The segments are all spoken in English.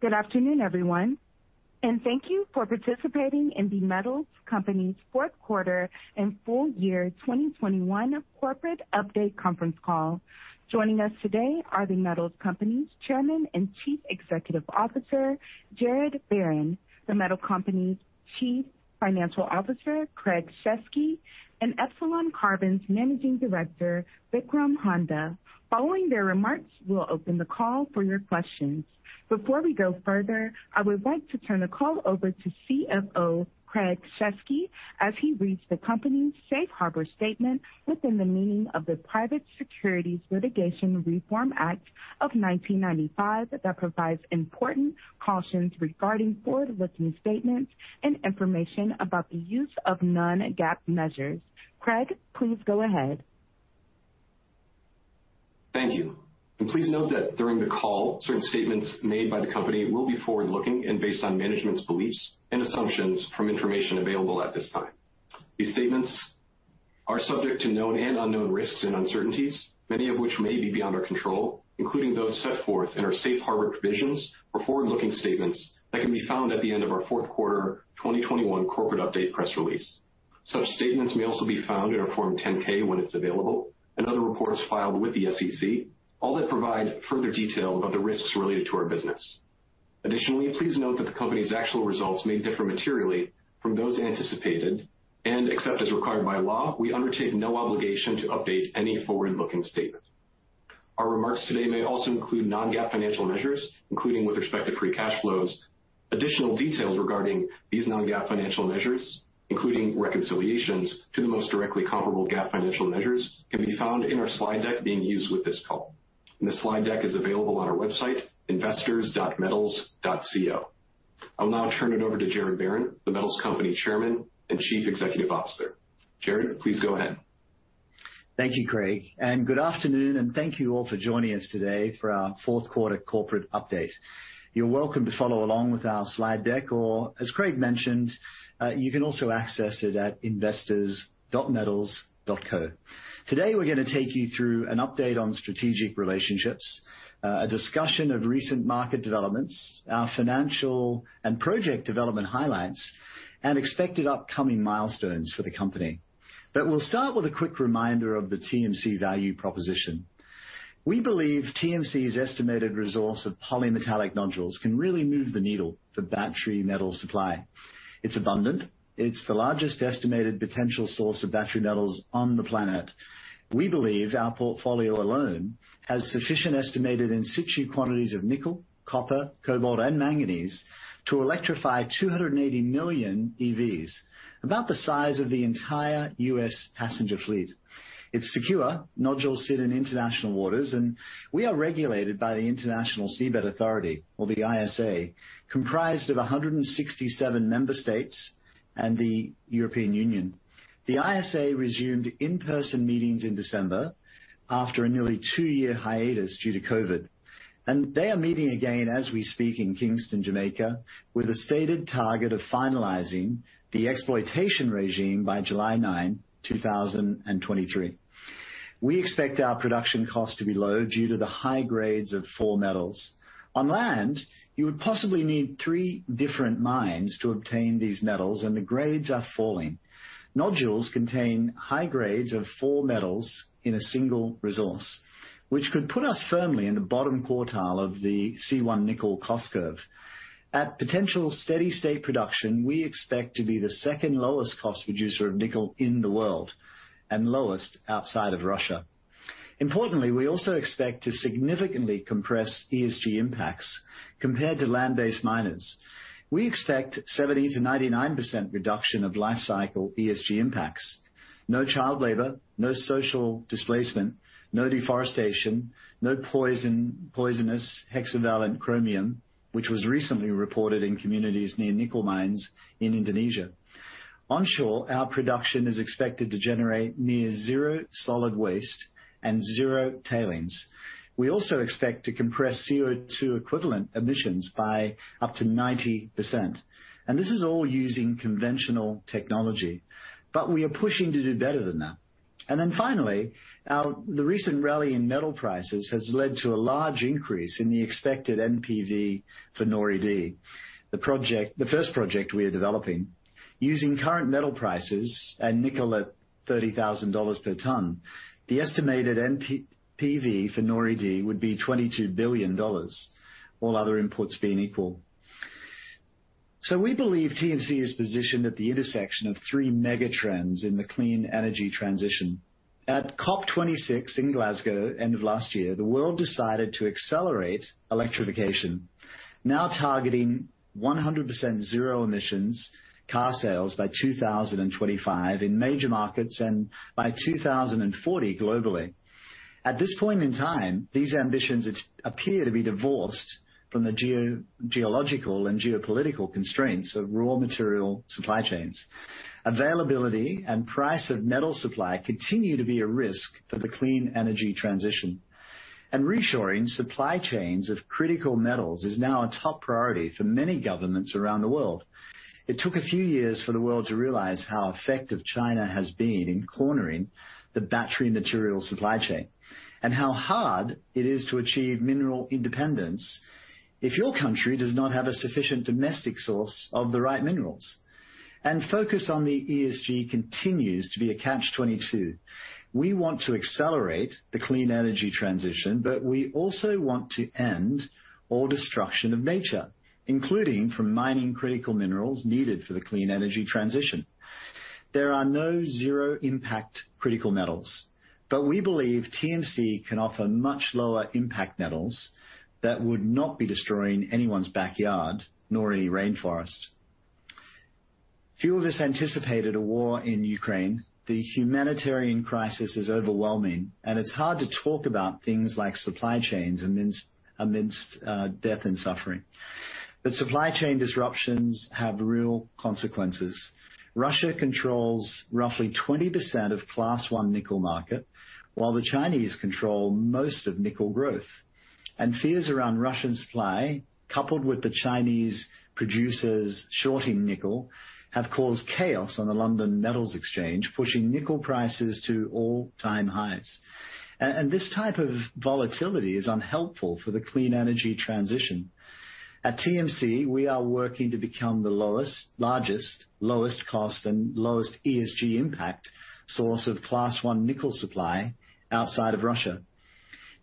Good afternoon, everyone, and thank you for participating in The Metals Company's fourth quarter and full year 2021 corporate update conference call. Joining us today are The Metals Company's Chairman and Chief Executive Officer, Gerard Barron, The Metals Company's Chief Financial Officer, Craig Shesky, and Epsilon Carbon's Managing Director, Vikram Handa. Following their remarks, we'll open the call for your questions. Before we go further, I would like to turn the call over to CFO Craig Shesky as he reads the company's safe harbor statement within the meaning of the Private Securities Litigation Reform Act of 1995 that provides important cautions regarding forward-looking statements and information about the use of non-GAAP measures. Craig, please go ahead. Thank you. Please note that during the call, certain statements made by the company will be forward-looking and based on management's beliefs and assumptions from information available at this time. These statements are subject to known and unknown risks and uncertainties, many of which may be beyond our control, including those set forth in our safe harbor provisions for forward-looking statements that can be found at the end of our fourth quarter 2021 corporate update press release. Such statements may also be found in our Form 10-K when it's available, and other reports filed with the SEC, all that provide further detail about the risks related to our business. Additionally, please note that the company's actual results may differ materially from those anticipated, and except as required by law, we undertake no obligation to update any forward-looking statement. Our remarks today may also include non-GAAP financial measures, including with respect to free cash flows. Additional details regarding these non-GAAP financial measures, including reconciliations to the most directly comparable GAAP financial measures, can be found in our slide deck being used with this call. The slide deck is available on our website, investors.metals.co. I'll now turn it over to Gerard Barron, The Metals Company Chairman and Chief Executive Officer. Gerard, please go ahead. Thank you, Craig, and good afternoon, and thank you all for joining us today for our fourth quarter corporate update. You're welcome to follow along with our slide deck or as Craig mentioned, you can also access it at investors.metals.co. Today we're gonna take you through an update on strategic relationships, a discussion of recent market developments, our financial and project development highlights, and expected upcoming milestones for the company. We'll start with a quick reminder of the TMC value proposition. We believe TMC's estimated resource of polymetallic nodules can really move the needle for battery metal supply. It's abundant. It's the largest estimated potential source of battery metals on the planet. We believe our portfolio alone has sufficient estimated in situ quantities of nickel, copper, cobalt, and manganese to electrify 280 million EVs, about the size of the entire U.S. passenger fleet. It's secure. Nodules sit in international waters, and we are regulated by the International Seabed Authority, or the ISA, comprised of 167 member states and the European Union. The ISA resumed in-person meetings in December after a nearly two-year hiatus due to COVID, and they are meeting again as we speak in Kingston, Jamaica, with a stated target of finalizing the exploitation regime by July 9, 2023. We expect our production cost to be low due to the high grades of four metals. On land, you would possibly need three different mines to obtain these metals, and the grades are falling. Nodules contain high grades of four metals in a single resource, which could put us firmly in the bottom quartile of the C1 nickel cost curve. At potential steady-state production, we expect to be the second lowest cost producer of nickel in the world and lowest outside of Russia. Importantly, we also expect to significantly compress ESG impacts compared to land-based miners. We expect 70%-99% reduction of lifecycle ESG impacts. No child labor, no social displacement, no deforestation, no poisonous hexavalent chromium, which was recently reported in communities near nickel mines in Indonesia. Onshore, our production is expected to generate near zero solid waste and zero tailings. We also expect to compress CO2 equivalent emissions by up to 90%, and this is all using conventional technology, but we are pushing to do better than that. Finally, the recent rally in metal prices has led to a large increase in the expected NPV for NORI-D, the first project we are developing. Using current metal prices and nickel at $30,000 per ton, the estimated NPV for NORI-D would be $22 billion, all other inputs being equal. We believe TMC is positioned at the intersection of three mega trends in the clean energy transition. At COP26 in Glasgow, end of last year, the world decided to accelerate electrification, now targeting 100% zero emissions car sales by 2025 in major markets and by 2040 globally. At this point in time, these ambitions appear to be divorced from the geological and geopolitical constraints of raw material supply chains. Availability and price of metal supply continue to be a risk for the clean energy transition, and reshoring supply chains of critical metals is now a top priority for many governments around the world. It took a few years for the world to realize how effective China has been in cornering the battery material supply chain and how hard it is to achieve mineral independence if your country does not have a sufficient domestic source of the right minerals. Focus on the ESG continues to be a catch-22. We want to accelerate the clean energy transition, but we also want to end all destruction of nature, including from mining critical minerals needed for the clean energy transition. There are no zero-impact critical metals, but we believe TMC can offer much lower impact metals that would not be destroying anyone's backyard, nor any rainforest. Few of us anticipated a war in Ukraine. The humanitarian crisis is overwhelming, and it's hard to talk about things like supply chains amidst death and suffering. Supply chain disruptions have real consequences. Russia controls roughly 20% of Class 1 nickel market, while the Chinese control most of nickel growth. Fears around Russian supply, coupled with the Chinese producers shorting nickel, have caused chaos on the London Metals Exchange, pushing nickel prices to all-time highs. This type of volatility is unhelpful for the clean energy transition. At TMC, we are working to become the lowest, largest, lowest cost, and lowest ESG impact source of Class 1 nickel supply outside of Russia.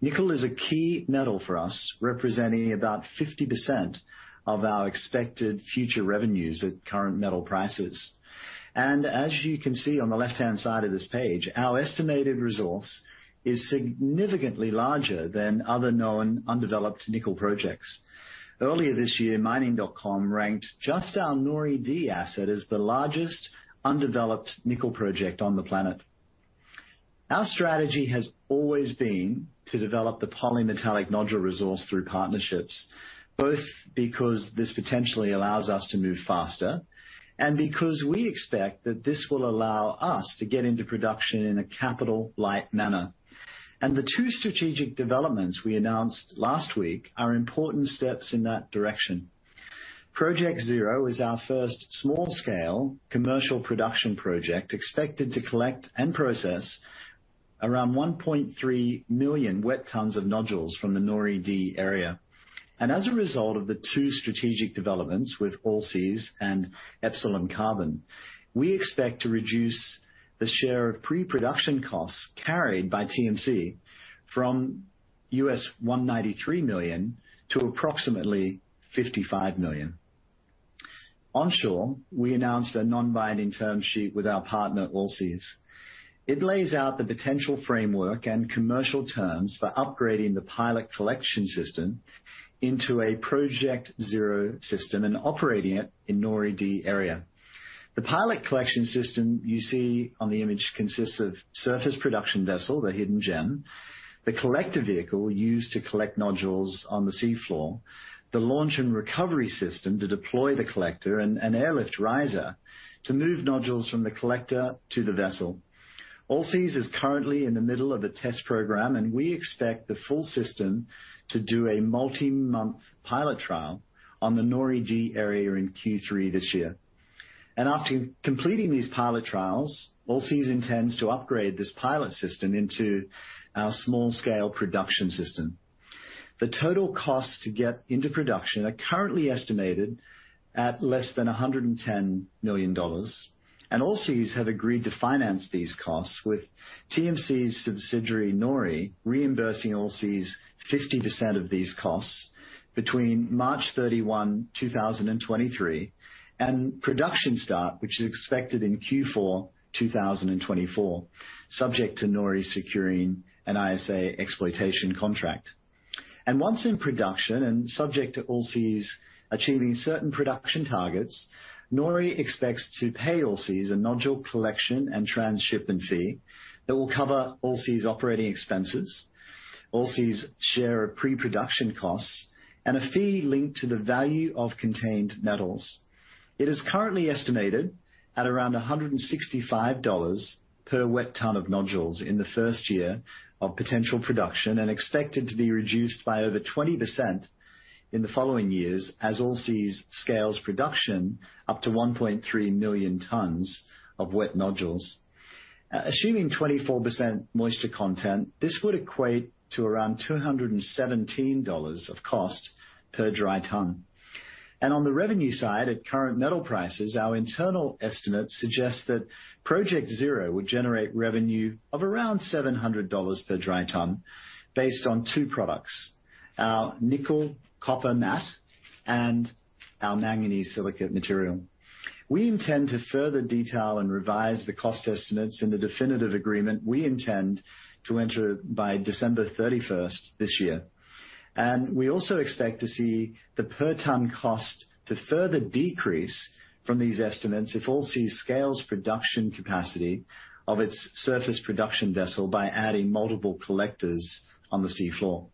Nickel is a key metal for us, representing about 50% of our expected future revenues at current metal prices. As you can see on the left-hand side of this page, our estimated resource is significantly larger than other known undeveloped nickel projects. Earlier this year, Mining.com ranked just our NORI-D asset as the largest undeveloped nickel project on the planet. Our strategy has always been to develop the polymetallic nodule resource through partnerships, both because this potentially allows us to move faster and because we expect that this will allow us to get into production in a capital-light manner. The two strategic developments we announced last week are important steps in that direction. Project Zero is our first small-scale commercial production project expected to collect and process around 1.3 million wet tons of nodules from the NORI-D area. As a result of the two strategic developments with Allseas and Epsilon Carbon, we expect to reduce the share of pre-production costs carried by TMC from $193 million to approximately $55 million. Onshore, we announced a non-binding term sheet with our partner, Allseas. It lays out the potential framework and commercial terms for upgrading the pilot collection system into a Project Zero system and operating it in NORI-D area. The pilot collection system you see on the image consists of surface production vessel, the Hidden Gem, the collector vehicle used to collect nodules on the sea floor, the launch and recovery system to deploy the collector, and an airlift riser to move nodules from the collector to the vessel. Allseas is currently in the middle of a test program, and we expect the full system to do a multi-month pilot trial on the NORI-D area in Q3 this year. After completing these pilot trials, Allseas intends to upgrade this pilot system into our small-scale production system. The total cost to get into production are currently estimated at less than $110 million, and Allseas have agreed to finance these costs with TMC's subsidiary, Nori, reimbursing Allseas 50% of these costs between March 31, 2023, and production start, which is expected in Q4 2024, subject to Nori securing an ISA exploitation contract. Once in production, and subject to Allseas achieving certain production targets, Nori expects to pay Allseas a nodule collection and transshipment fee that will cover Allseas operating expenses, Allseas share of pre-production costs, and a fee linked to the value of contained metals. It is currently estimated at around $165 per wet ton of nodules in the first year of potential production and expected to be reduced by over 20% in the following years as Allseas scales production up to 1.3 million tons of wet nodules. Assuming 24% moisture content, this would equate to around $217 of cost per dry ton. On the revenue side, at current metal prices, our internal estimates suggest that Project Zero would generate revenue of around $700 per dry ton based on two products, our nickel copper matte and our manganese silicate material. We intend to further detail and revise the cost estimates in the definitive agreement we intend to enter by December 31 this year. We also expect to see the per ton cost to further decrease from these estimates if Allseas scales production capacity of its surface production vessel by adding multiple collectors on the sea floor.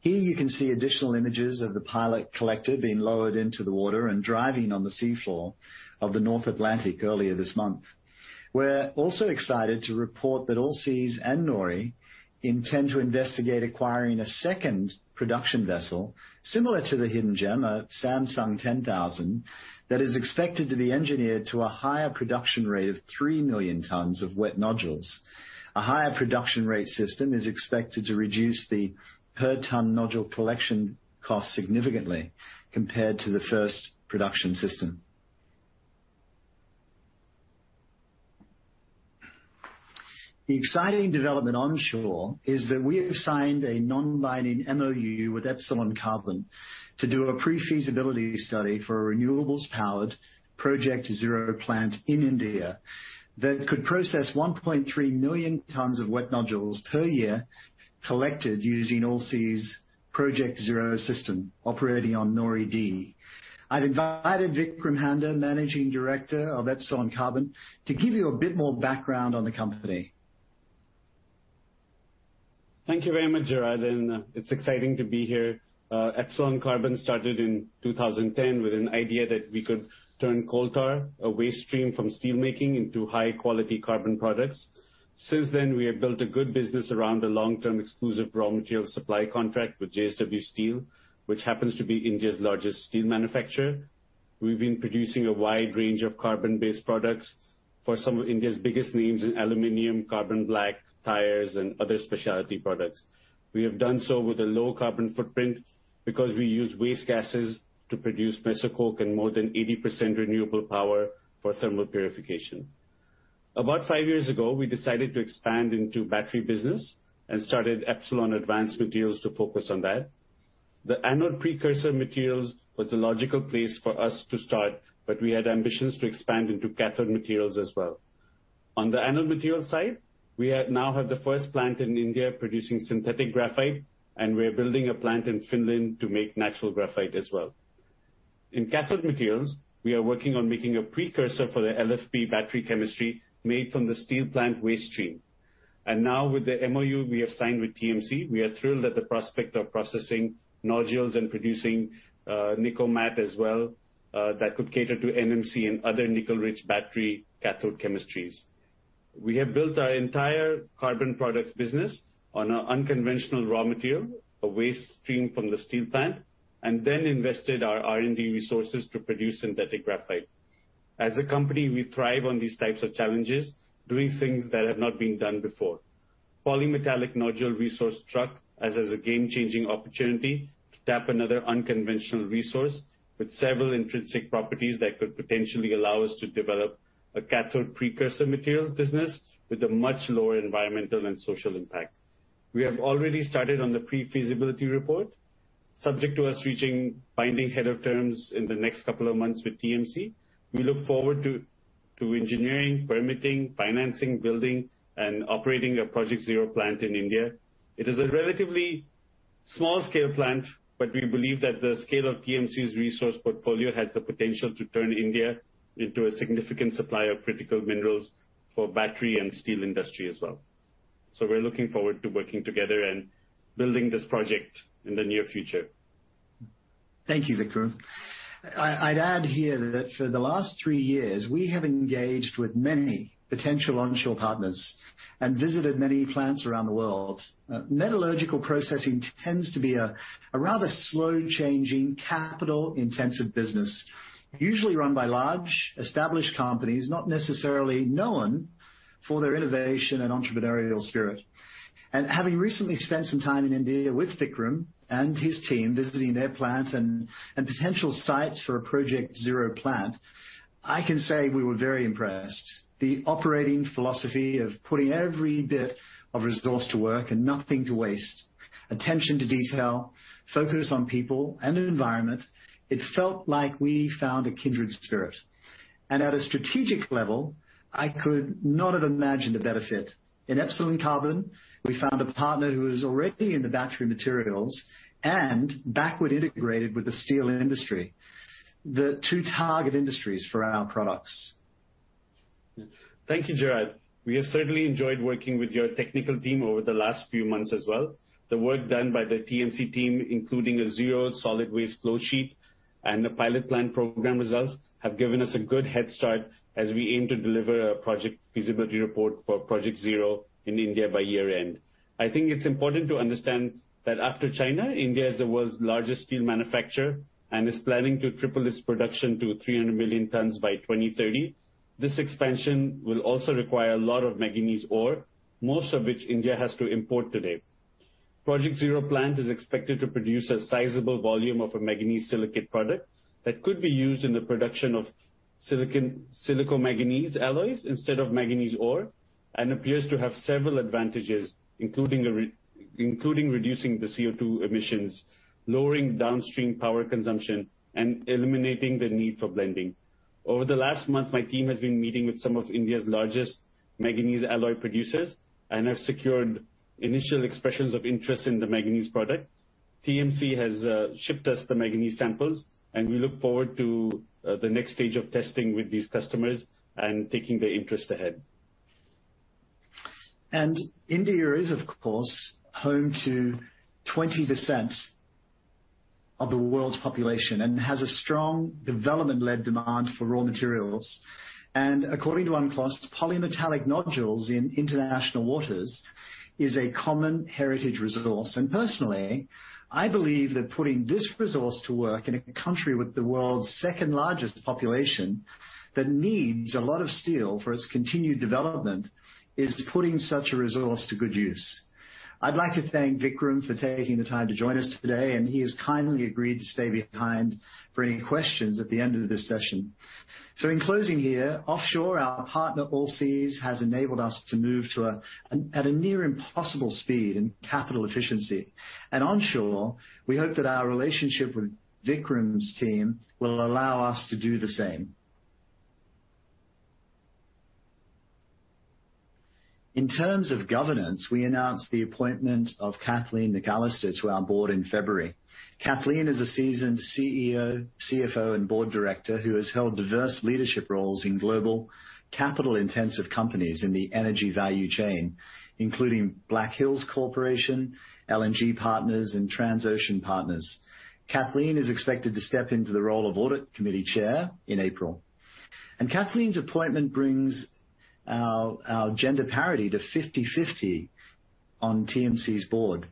Here you can see additional images of the pilot collector being lowered into the water and driving on the sea floor of the North Atlantic earlier this month. We're also excited to report that Allseas and NORI intend to investigate acquiring a second production vessel similar to the Hidden Gem, a Samsung 10000, that is expected to be engineered to a higher production rate of 3 million tons of wet nodules. A higher production rate system is expected to reduce the per ton nodule collection cost significantly compared to the first production system. The exciting development onshore is that we have signed a non-binding MoU with Epsilon Carbon to do a pre-feasibility study for a renewables-powered Project Zero plant in India that could process 1.3 million tons of wet nodules per year, collected using Allseas's Project Zero system operating on NORI-D. I've invited Vikram Handa, Managing Director of Epsilon Carbon, to give you a bit more background on the company. Thank you very much, Gerard, and it's exciting to be here. Epsilon Carbon started in 2010 with an idea that we could turn coal tar, a waste stream from steelmaking, into high-quality carbon products. Since then, we have built a good business around a long-term exclusive raw material supply contract with JSW Steel, which happens to be India's largest steel manufacturer. We've been producing a wide range of carbon-based products for some of India's biggest names in aluminum, carbon black, tires, and other specialty products. We have done so with a low carbon footprint because we use waste gases to produce mesophase coke and more than 80% renewable power for thermal purification. About five years ago, we decided to expand into battery business and started Epsilon Advanced Materials to focus on that. The anode precursor materials was the logical place for us to start, but we had ambitions to expand into cathode materials as well. On the anode material side, we now have the first plant in India producing synthetic graphite, and we are building a plant in Finland to make natural graphite as well. In cathode materials, we are working on making a precursor for the LFP battery chemistry made from the steel plant waste stream. Now with the MoU we have signed with TMC, we are thrilled at the prospect of processing nodules and producing nickel matte as well that could cater to NMC and other nickel-rich battery cathode chemistries. We have built our entire carbon products business on an unconventional raw material, a waste stream from the steel plant, and then invested our R&D resources to produce synthetic graphite. As a company, we thrive on these types of challenges, doing things that have not been done before. The polymetallic nodule resource trumps as a game-changing opportunity to tap another unconventional resource with several intrinsic properties that could potentially allow us to develop a cathode precursor materials business with a much lower environmental and social impact. We have already started on the pre-feasibility report. Subject to us reaching binding heads of terms in the next couple of months with TMC, we look forward to engineering, permitting, financing, building, and operating a Project Zero plant in India. It is a relatively small-scale plant, but we believe that the scale of TMC's resource portfolio has the potential to turn India into a significant supplier of critical minerals for battery and steel industry as well. We're looking forward to working together and building this project in the near future. Thank you, Vikram. I'd add here that for the last three years, we have engaged with many potential onshore partners and visited many plants around the world. Metallurgical processing tends to be a rather slow-changing, capital-intensive business, usually run by large, established companies, not necessarily known for their innovation and entrepreneurial spirit. Having recently spent some time in India with Vikram and his team, visiting their plant and potential sites for a Project Zero plant, I can say we were very impressed. The operating philosophy of putting every bit of resource to work and nothing to waste, attention to detail, focus on people and the environment, it felt like we found a kindred spirit. At a strategic level, I could not have imagined a better fit. In Epsilon Carbon, we found a partner who is already in the battery materials and backward integrated with the steel industry, the two target industries for our products. Thank you, Gerard. We have certainly enjoyed working with your technical team over the last few months as well. The work done by the TMC team, including a zero solid waste flow sheet and the pilot plant program results, have given us a good head start as we aim to deliver a project feasibility report for Project Zero in India by year-end. I think it's important to understand that after China, India is the world's largest steel manufacturer and is planning to triple its production to 300 million tons by 2030. This expansion will also require a lot of manganese ore, most of which India has to import today. Project Zero plant is expected to produce a sizable volume of a manganese silicate product that could be used in the production of silico-manganese alloys instead of manganese ore and appears to have several advantages, including reducing the CO2 emissions, lowering downstream power consumption, and eliminating the need for blending. Over the last month, my team has been meeting with some of India's largest manganese alloy producers and have secured initial expressions of interest in the manganese product. TMC has shipped us the manganese samples, and we look forward to the next stage of testing with these customers and taking their interest ahead. India is of course, home to 20% of the world's population and has a strong development-led demand for raw materials. According to UNCLOS, polymetallic nodules in international waters is a common heritage resource. Personally, I believe that putting this resource to work in a country with the world's second-largest population that needs a lot of steel for its continued development is putting such a resource to good use. I'd like to thank Vikram for taking the time to join us today, and he has kindly agreed to stay behind for any questions at the end of this session. In closing here, offshore, our partner, Allseas, has enabled us to move at a near impossible speed and capital efficiency. Onshore, we hope that our relationship with Vikram's team will allow us to do the same. In terms of governance, we announced the appointment of Kathleen McAllister to our board in February. Kathleen is a seasoned CEO, CFO, and board director who has held diverse leadership roles in global capital-intensive companies in the energy value chain, including Black Hills Corporation, LNG Partners, and Transocean Partners. Kathleen is expected to step into the role of audit committee chair in April. Kathleen's appointment brings our gender parity to 50/50 on TMC's board.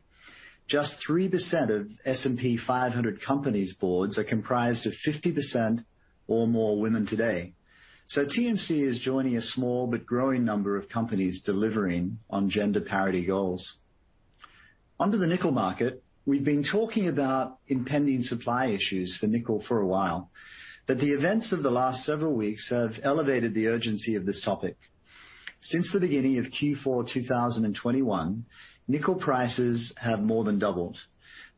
Just 3% of S&P 500 companies' boards are comprised of 50% or more women today. TMC is joining a small but growing number of companies delivering on gender parity goals. Onto the nickel market, we've been talking about impending supply issues for nickel for a while, but the events of the last several weeks have elevated the urgency of this topic. Since the beginning of Q4 2021, nickel prices have more than doubled.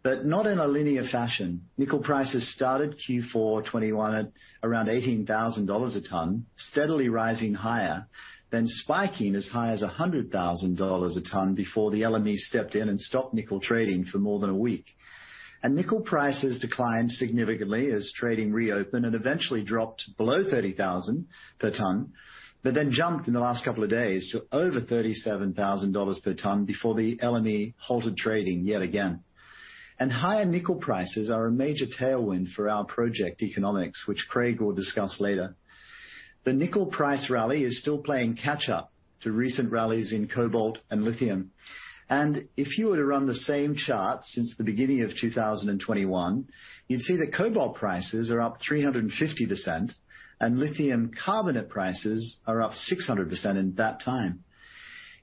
Not in a linear fashion. Nickel prices started Q4 2021 at around $18,000 a ton, steadily rising higher, then spiking as high as $100,000 a ton before the LME stepped in and stopped nickel trading for more than a week. Nickel prices declined significantly as trading reopened and eventually dropped below $30,000 per ton, but then jumped in the last couple of days to over $37,000 per ton before the LME halted trading yet again. Higher nickel prices are a major tailwind for our project economics, which Craig will discuss later. The nickel price rally is still playing catch up to recent rallies in cobalt and lithium. If you were to run the same chart since the beginning of 2021, you'd see that cobalt prices are up 350%, and lithium carbonate prices are up 600% in that time.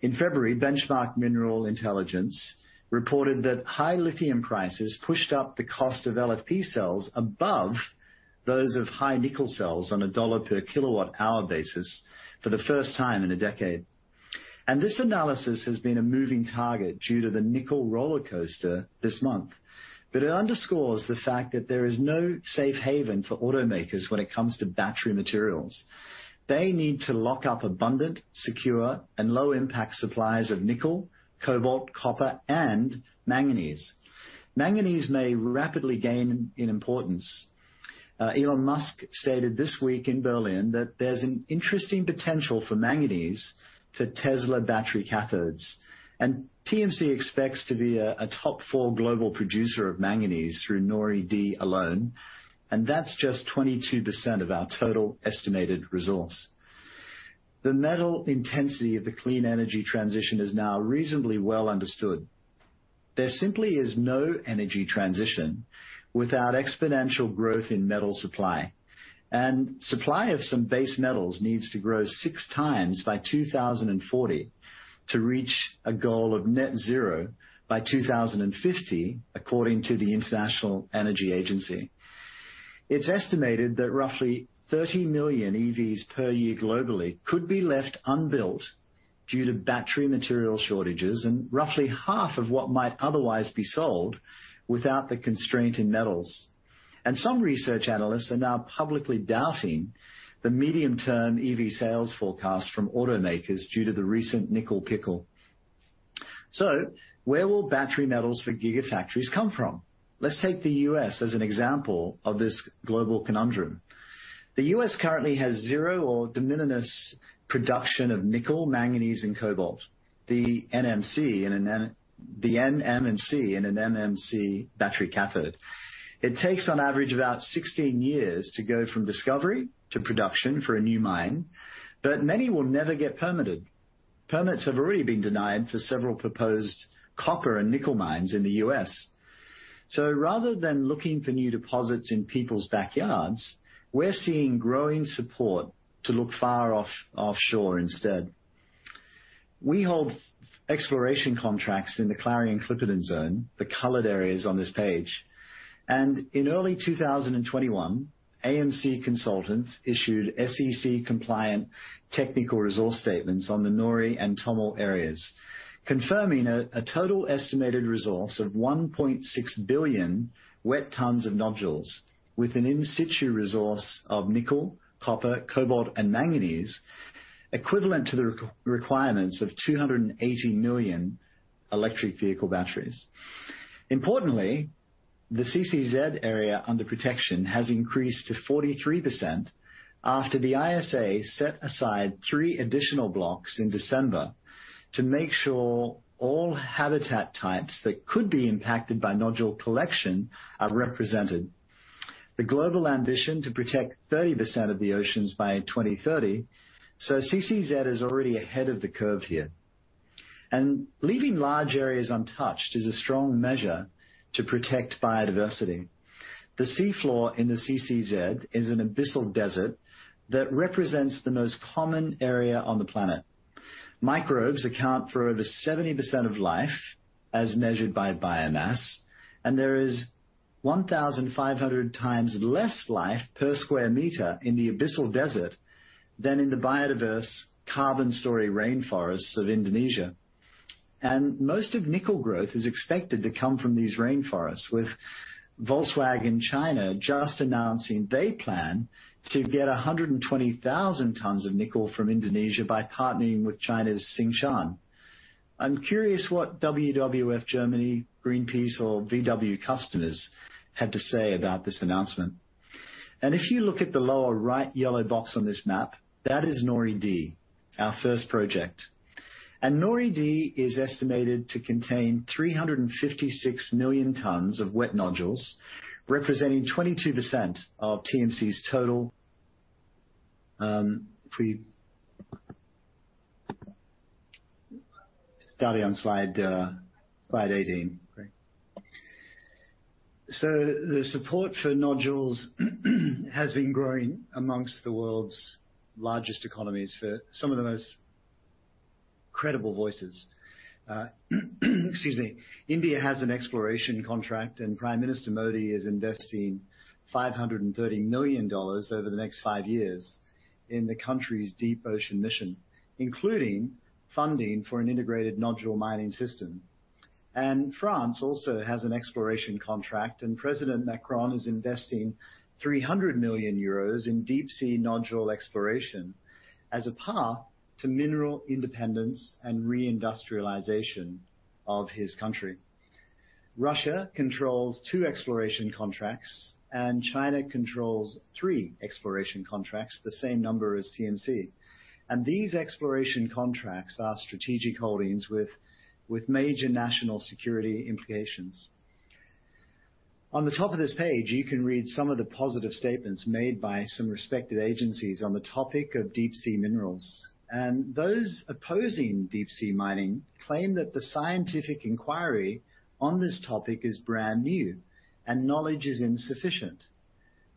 In February, Benchmark Mineral Intelligence reported that high lithium prices pushed up the cost of LFP cells above those of high nickel cells on a $ per kilowatt-hour basis for the first time in a decade. This analysis has been a moving target due to the nickel rollercoaster this month. It underscores the fact that there is no safe haven for automakers when it comes to battery materials. They need to lock up abundant, secure, and low-impact supplies of nickel, cobalt, copper, and manganese. Manganese may rapidly gain in importance. Elon Musk stated this week in Berlin that there's an interesting potential for manganese for Tesla battery cathodes. TMC expects to be a top four global producer of manganese through NORI-D alone, and that's just 22% of our total estimated resource. The metal intensity of the clean energy transition is now reasonably well understood. There simply is no energy transition without exponential growth in metal supply. Supply of some base metals needs to grow six times by 2040 to reach a goal of net zero by 2050, according to the International Energy Agency. It's estimated that roughly 30 million EVs per year globally could be left unbuilt due to battery material shortages and roughly half of what might otherwise be sold without the constraint in metals. Some research analysts are now publicly doubting the medium-term EV sales forecast from automakers due to the recent nickel pickle. Where will battery metals for gigafactories come from? Let's take the U.S. as an example of this global conundrum. The U.S. currently has zero or de minimis production of nickel, manganese, and cobalt, the N, M, and C in an NMC battery cathode. It takes on average about 16 years to go from discovery to production for a new mine, but many will never get permitted. Permits have already been denied for several proposed copper and nickel mines in the U.S. Rather than looking for new deposits in people's backyards, we're seeing growing support to look far off offshore instead. We hold exploration contracts in the Clarion-Clipperton Zone, the colored areas on this page. In early 2021, AMC Consultants issued SEC-compliant technical resource statements on the NORI and Tomol areas, confirming a total estimated resource of 1.6 billion wet tons of nodules with an in-situ resource of nickel, copper, cobalt, and manganese, equivalent to the requirements of 280 million electric vehicle batteries. Importantly, the CCZ area under protection has increased to 43% after the ISA set aside three additional blocks in December to make sure all habitat types that could be impacted by nodule collection are represented. The global ambition to protect 30% of the oceans by 2030, so CCZ is already ahead of the curve here. Leaving large areas untouched is a strong measure to protect biodiversity. The sea floor in the CCZ is an abyssal desert that represents the most common area on the planet. Microbes account for over 70% of life as measured by biomass, and there is 1,500 times less life per square meter in the abyssal desert than in the biodiverse carbon-storing rainforests of Indonesia. Most of nickel growth is expected to come from these rainforests with Volkswagen China just announcing they plan to get 120,000 tons of nickel from Indonesia by partnering with China's Tsingshan. I'm curious what WWF Germany, Greenpeace or VW customers had to say about this announcement. If you look at the lower right yellow box on this map, that is NORI-D, our first project. NORI-D is estimated to contain 356 million tons of wet nodules, representing 22% of TMC's total. Starting on slide 18. The support for nodules has been growing among the world's largest economies for some of the most credible voices. India has an exploration contract, and Prime Minister Modi is investing $530 million over the next five years in the country's deep ocean mission, including funding for an integrated nodule mining system. France also has an exploration contract, and President Macron is investing 300 million euros in deep sea nodule exploration as a path to mineral independence and re-industrialization of his country. Russia controls two exploration contracts, and China controls three exploration contracts, the same number as TMC. These exploration contracts are strategic holdings with major national security implications. On the top of this page, you can read some of the positive statements made by some respected agencies on the topic of deep sea minerals. Those opposing deep-sea mining claim that the scientific inquiry on this topic is brand new and knowledge is insufficient.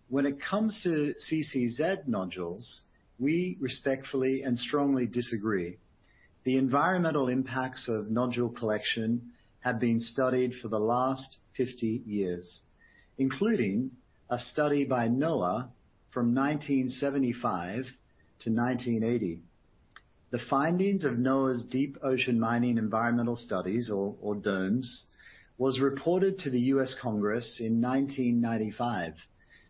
When it comes to CCZ nodules, we respectfully and strongly disagree. The environmental impacts of nodule collection have been studied for the last 50 years, including a study by NOAA from 1975 to 1980. The findings of NOAA's deep ocean mining environmental studies, or DOMS, was reported to the U.S. Congress in 1995,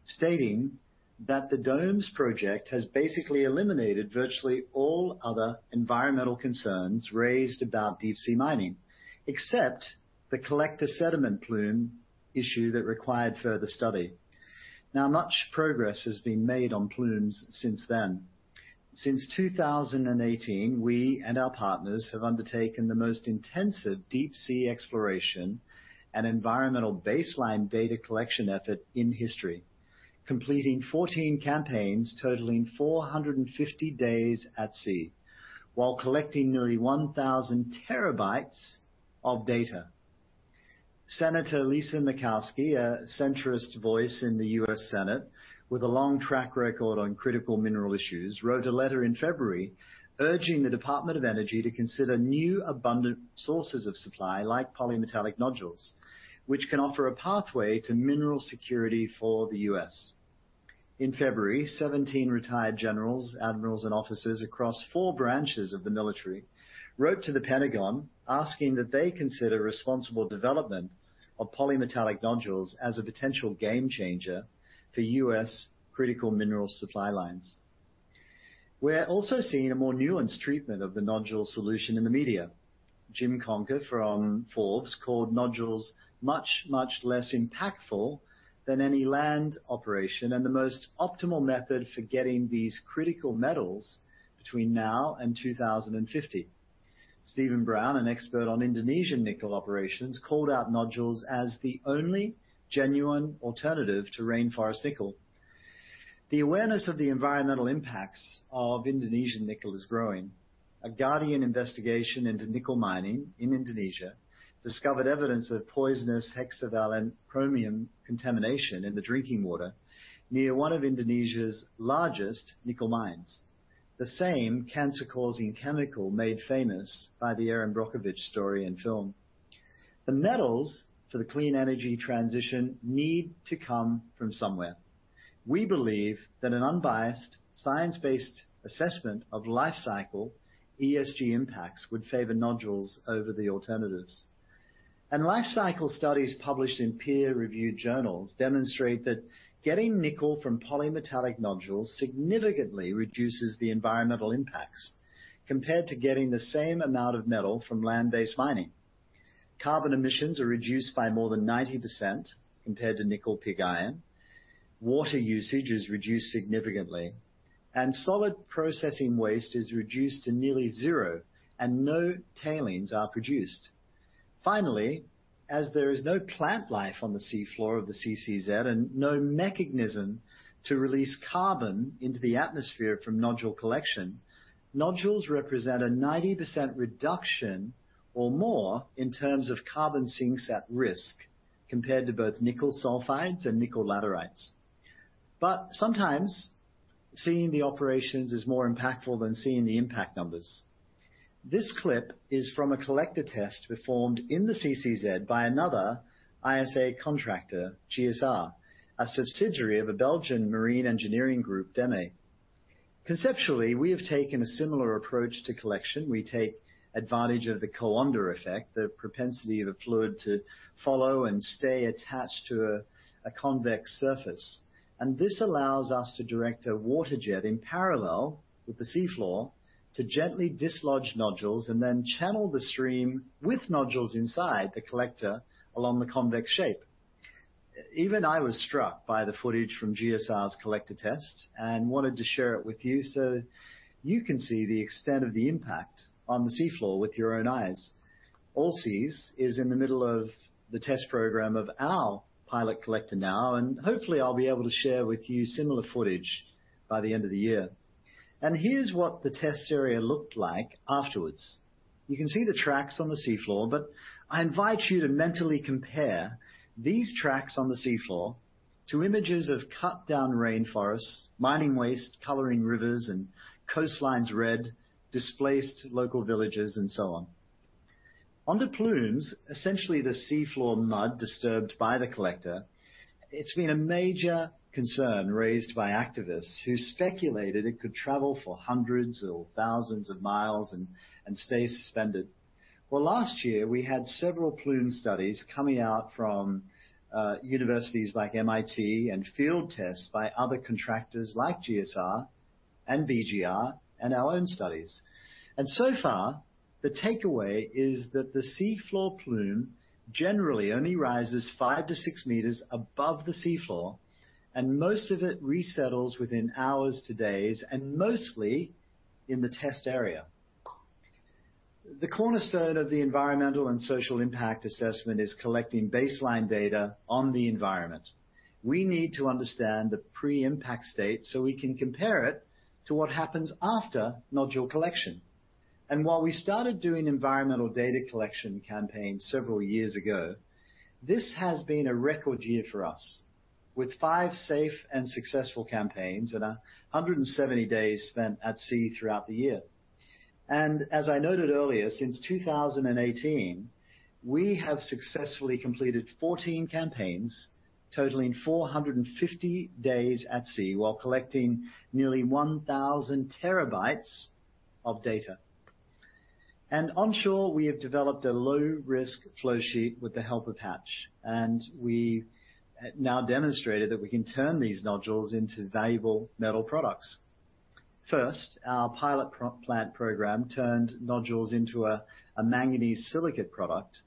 stating that the DOMS project has basically eliminated virtually all other environmental concerns raised about deep-sea mining, except the collector sediment plume issue that required further study. Now, much progress has been made on plumes since then. Since 2018, we and our partners have undertaken the most intensive deep-sea exploration and environmental baseline data collection effort in history, completing 14 campaigns totaling 450 days at sea, while collecting nearly 1,000 terabytes of data. Senator Lisa Murkowski, a centrist voice in the U.S. Senate with a long track record on critical mineral issues, wrote a letter in February urging the Department of Energy to consider new abundant sources of supply like polymetallic nodules, which can offer a pathway to mineral security for the U.S. In February, 17 retired generals, admirals, and officers across four branches of the military wrote to the Pentagon asking that they consider responsible development of polymetallic nodules as a potential game changer for U.S. critical mineral supply lines. We're also seeing a more nuanced treatment of the nodule solution in the media. Jim Conca from Forbes called nodules much, much less impactful than any land operation and the most optimal method for getting these critical metals between now and 2050. Steven Brown, an expert on Indonesian nickel operations, called out nodules as the only genuine alternative to rainforest nickel. The awareness of the environmental impacts of Indonesian nickel is growing. A Guardian investigation into nickel mining in Indonesia discovered evidence of poisonous hexavalent chromium contamination in the drinking water near one of Indonesia's largest nickel mines, the same cancer-causing chemical made famous by the Erin Brockovich story and film. The metals for the clean energy transition need to come from somewhere. We believe that an unbiased science-based assessment of life cycle ESG impacts would favor nodules over the alternatives. Life cycle studies published in peer-reviewed journals demonstrate that getting nickel from polymetallic nodules significantly reduces the environmental impacts compared to getting the same amount of metal from land-based mining. Carbon emissions are reduced by more than 90% compared to nickel pig iron. Water usage is reduced significantly, and solid processing waste is reduced to nearly zero, and no tailings are produced. Finally, as there is no plant life on the sea floor of the CCZ and no mechanism to release carbon into the atmosphere from nodule collection, nodules represent a 90% reduction or more in terms of carbon sinks at risk compared to both nickel sulfides and nickel laterites. Sometimes seeing the operations is more impactful than seeing the impact numbers. This clip is from a collector test performed in the CCZ by another ISA contractor, GSR, a subsidiary of a Belgian marine engineering group, DEME. Conceptually, we have taken a similar approach to collection. We take advantage of the Coanda effect, the propensity of a fluid to follow and stay attached to a convex surface. This allows us to direct a water jet in parallel with the seafloor to gently dislodge nodules and then channel the stream with nodules inside the collector along the convex shape. Even I was struck by the footage from GSR's collector tests and wanted to share it with you so you can see the extent of the impact on the seafloor with your own eyes. Allseas is in the middle of the test program of our pilot collector now, and hopefully I'll be able to share with you similar footage by the end of the year. Here's what the test area looked like afterwards. You can see the tracks on the seafloor, but I invite you to mentally compare these tracks on the seafloor to images of cut-down rainforests, mining waste, coloring rivers and coastlines red, displaced local villages, and so on. On the plumes, essentially the seafloor mud disturbed by the collector, it's been a major concern raised by activists who speculated it could travel for hundreds or thousands of miles and stay suspended. Well, last year we had several plume studies coming out from universities like MIT and field tests by other contractors like GSR and BGR and our own studies. So far, the takeaway is that the seafloor plume generally only rises 5-6 meters above the seafloor, and most of it resettles within hours to days, and mostly in the test area. The cornerstone of the environmental and social impact assessment is collecting baseline data on the environment. We need to understand the pre-impact state, so we can compare it to what happens after nodule collection. While we started doing environmental data collection campaigns several years ago, this has been a record year for us with five safe and successful campaigns and 170 days spent at sea throughout the year. As I noted earlier, since 2018, we have successfully completed 14 campaigns totaling 450 days at sea while collecting nearly 1,000 TB of data. Onshore, we have developed a low risk flow sheet with the help of Hatch, and we have now demonstrated that we can turn these nodules into valuable metal products. First, our pilot plant program turned nodules into a manganese silicate product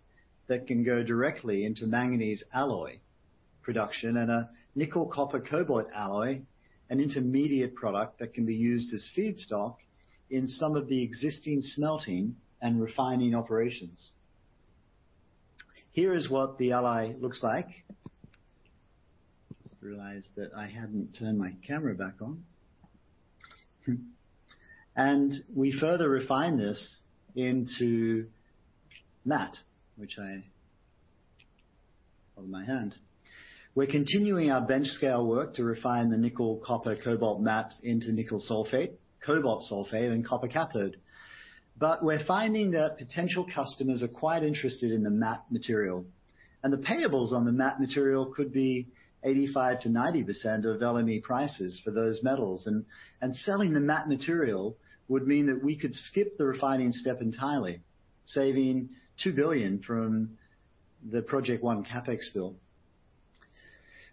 that can go directly into manganese alloy production and a nickel copper cobalt alloy, an intermediate product that can be used as feedstock in some of the existing smelting and refining operations. Here is what the alloy looks like. Just realized that I hadn't turned my camera back on. We further refine this into matte, which I have in my hand. We're continuing our bench-scale work to refine the nickel copper cobalt mattes into nickel sulfate, cobalt sulfate, and copper cathode. We're finding that potential customers are quite interested in the matte material. The payables on the matte material could be 85%-90% of LME prices for those metals. Selling the matte material would mean that we could skip the refining step entirely, saving $2 billion from the Project One CapEx bill.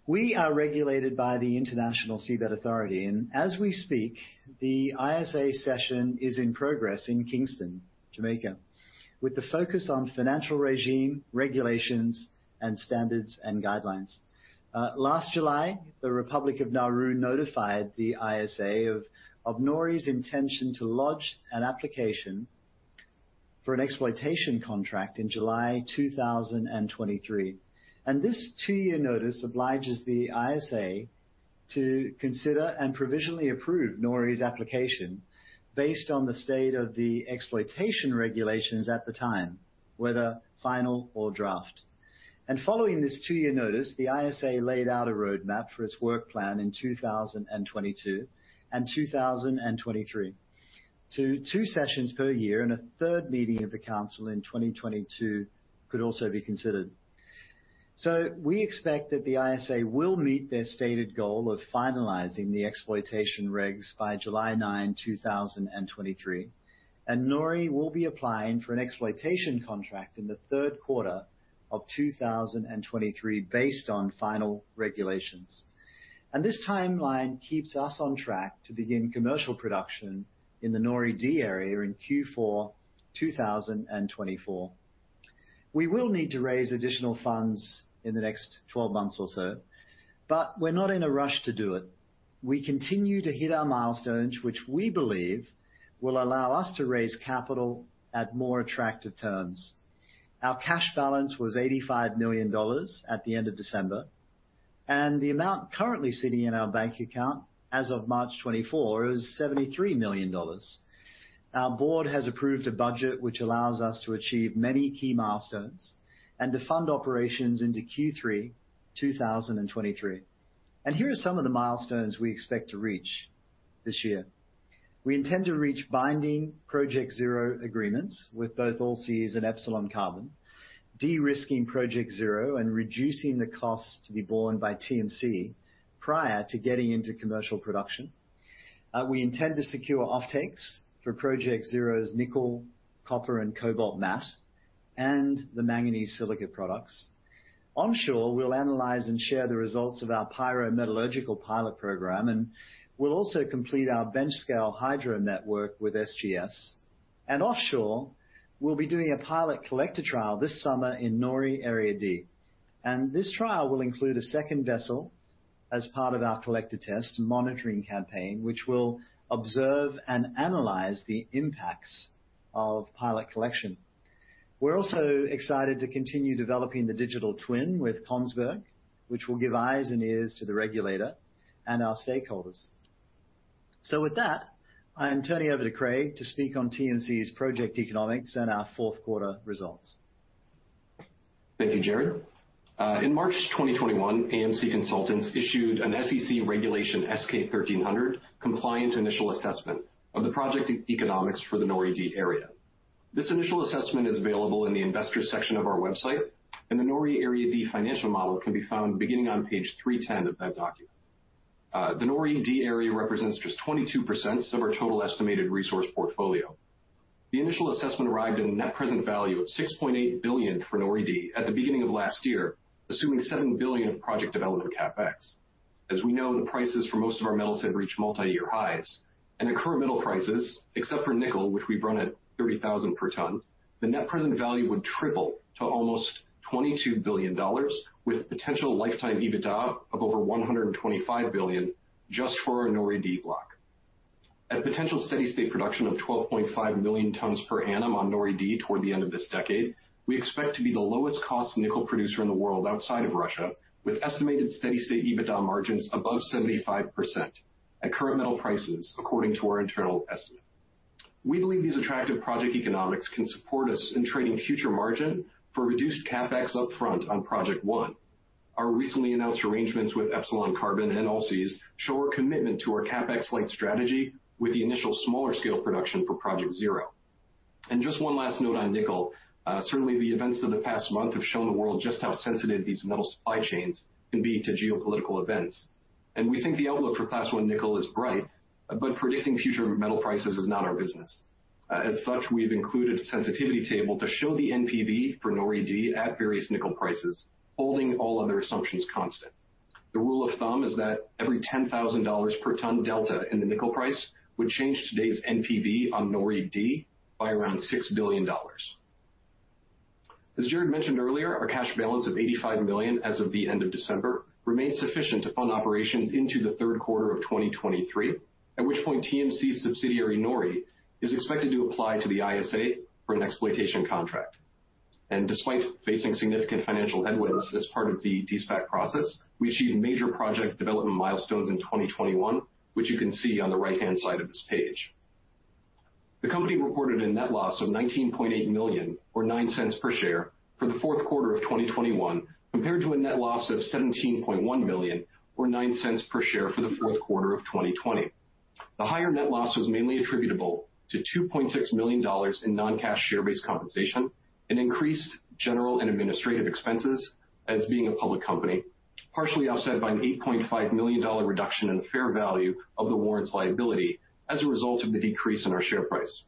We are regulated by the International Seabed Authority, and as we speak, the ISA session is in progress in Kingston, Jamaica, with the focus on financial regime, regulations and standards and guidelines. Last July, the Republic of Nauru notified the ISA of NORI's intention to lodge an application for an exploitation contract in July 2023. This two-year notice obliges the ISA to consider and provisionally approve NORI's application based on the state of the exploitation regulations at the time, whether final or draft. Following this two-year notice, the ISA laid out a roadmap for its work plan in 2022 and 2023 to three sessions per year, and a third meeting of the council in 2022 could also be considered. We expect that the ISA will meet their stated goal of finalizing the exploitation regs by July 9, 2023, and NORI will be applying for an exploitation contract in the third quarter of 2023 based on final regulations. This timeline keeps us on track to begin commercial production in the NORI-D area in Q4 2024. We will need to raise additional funds in the next 12 months or so, but we're not in a rush to do it. We continue to hit our milestones, which we believe will allow us to raise capital at more attractive terms. Our cash balance was $85 million at the end of December, and the amount currently sitting in our bank account as of March 24 is $73 million. Our board has approved a budget which allows us to achieve many key milestones and to fund operations into Q3 2023. Here are some of the milestones we expect to reach this year. We intend to reach binding Project Zero agreements with both Allseas and Epsilon Carbon, de-risking Project Zero and reducing the costs to be borne by TMC prior to getting into commercial production. We intend to secure offtakes for Project Zero's nickel, copper, and cobalt matte and the manganese silicate products. Onshore, we'll analyze and share the results of our pyrometallurgical pilot program, and we'll also complete our bench-scale hydromet work with SGS. Offshore, we'll be doing a pilot collector trial this summer in NORI-D. This trial will include a second vessel as part of our collector test monitoring campaign, which will observe and analyze the impacts of pilot collection. We're also excited to continue developing the Digital Twin with Kongsberg, which will give eyes and ears to the regulator and our stakeholders. With that, I am turning over to Craig to speak on TMC's project economics and our fourth quarter results. Thank you, Gerard. In March 2021, AMC Consultants issued an SEC Regulation S-K 1300 compliant initial assessment of the project economics for the NORI-D area. This initial assessment is available in the investors section of our website, and the NORI-D Area financial model can be found beginning on page 310 of that document. The NORI-D area represents just 22% of our total estimated resource portfolio. The initial assessment arrived at a net present value of $6.8 billion for NORI-D at the beginning of last year, assuming $7 billion of project development CapEx. As we know, the prices for most of our metals have reached multiyear highs, and at current metal prices, except for nickel, which we've run at $30,000 per ton, the net present value would triple to almost $22 billion with potential lifetime EBITDA of over $125 billion just for our NORI-D block. At potential steady-state production of 12.5 million tons per annum on NORI-D toward the end of this decade, we expect to be the lowest cost nickel producer in the world outside of Russia, with estimated steady-state EBITDA margins above 75% at current metal prices, according to our internal estimate. We believe these attractive project economics can support us in trading future margin for reduced CapEx up front on Project One. Our recently announced arrangements with Epsilon Carbon and Allseas show our commitment to our CapEx-light strategy with the initial smaller scale production for Project Zero. Just one last note on nickel. Certainly the events of the past month have shown the world just how sensitive these metal supply chains can be to geopolitical events. We think the outlook for Class 1 nickel is bright, but predicting future metal prices is not our business. As such, we've included a sensitivity table to show the NPV for NORI-D at various nickel prices, holding all other assumptions constant. The rule of thumb is that every $10,000 per ton delta in the nickel price would change today's NPV on NORI-D by around $6 billion. As Gerard mentioned earlier, our cash balance of $85 million as of the end of December remains sufficient to fund operations into Q3 2023, at which point TMC's subsidiary, Nori, is expected to apply to the ISA for an exploitation contract. Despite facing significant financial headwinds as part of the de-SPAC process, we achieved major project development milestones in 2021, which you can see on the right-hand side of this page. The company reported a net loss of $19.8 million or $0.09 per share for Q4 2021, compared to a net loss of $17.1 million or $0.09 per share for Q4 2020. The higher net loss was mainly attributable to $2.6 million in non-cash share-based compensation and increased general and administrative expenses as being a public company, partially offset by an $8.5 million reduction in fair value of the warrants liability as a result of the decrease in our share price.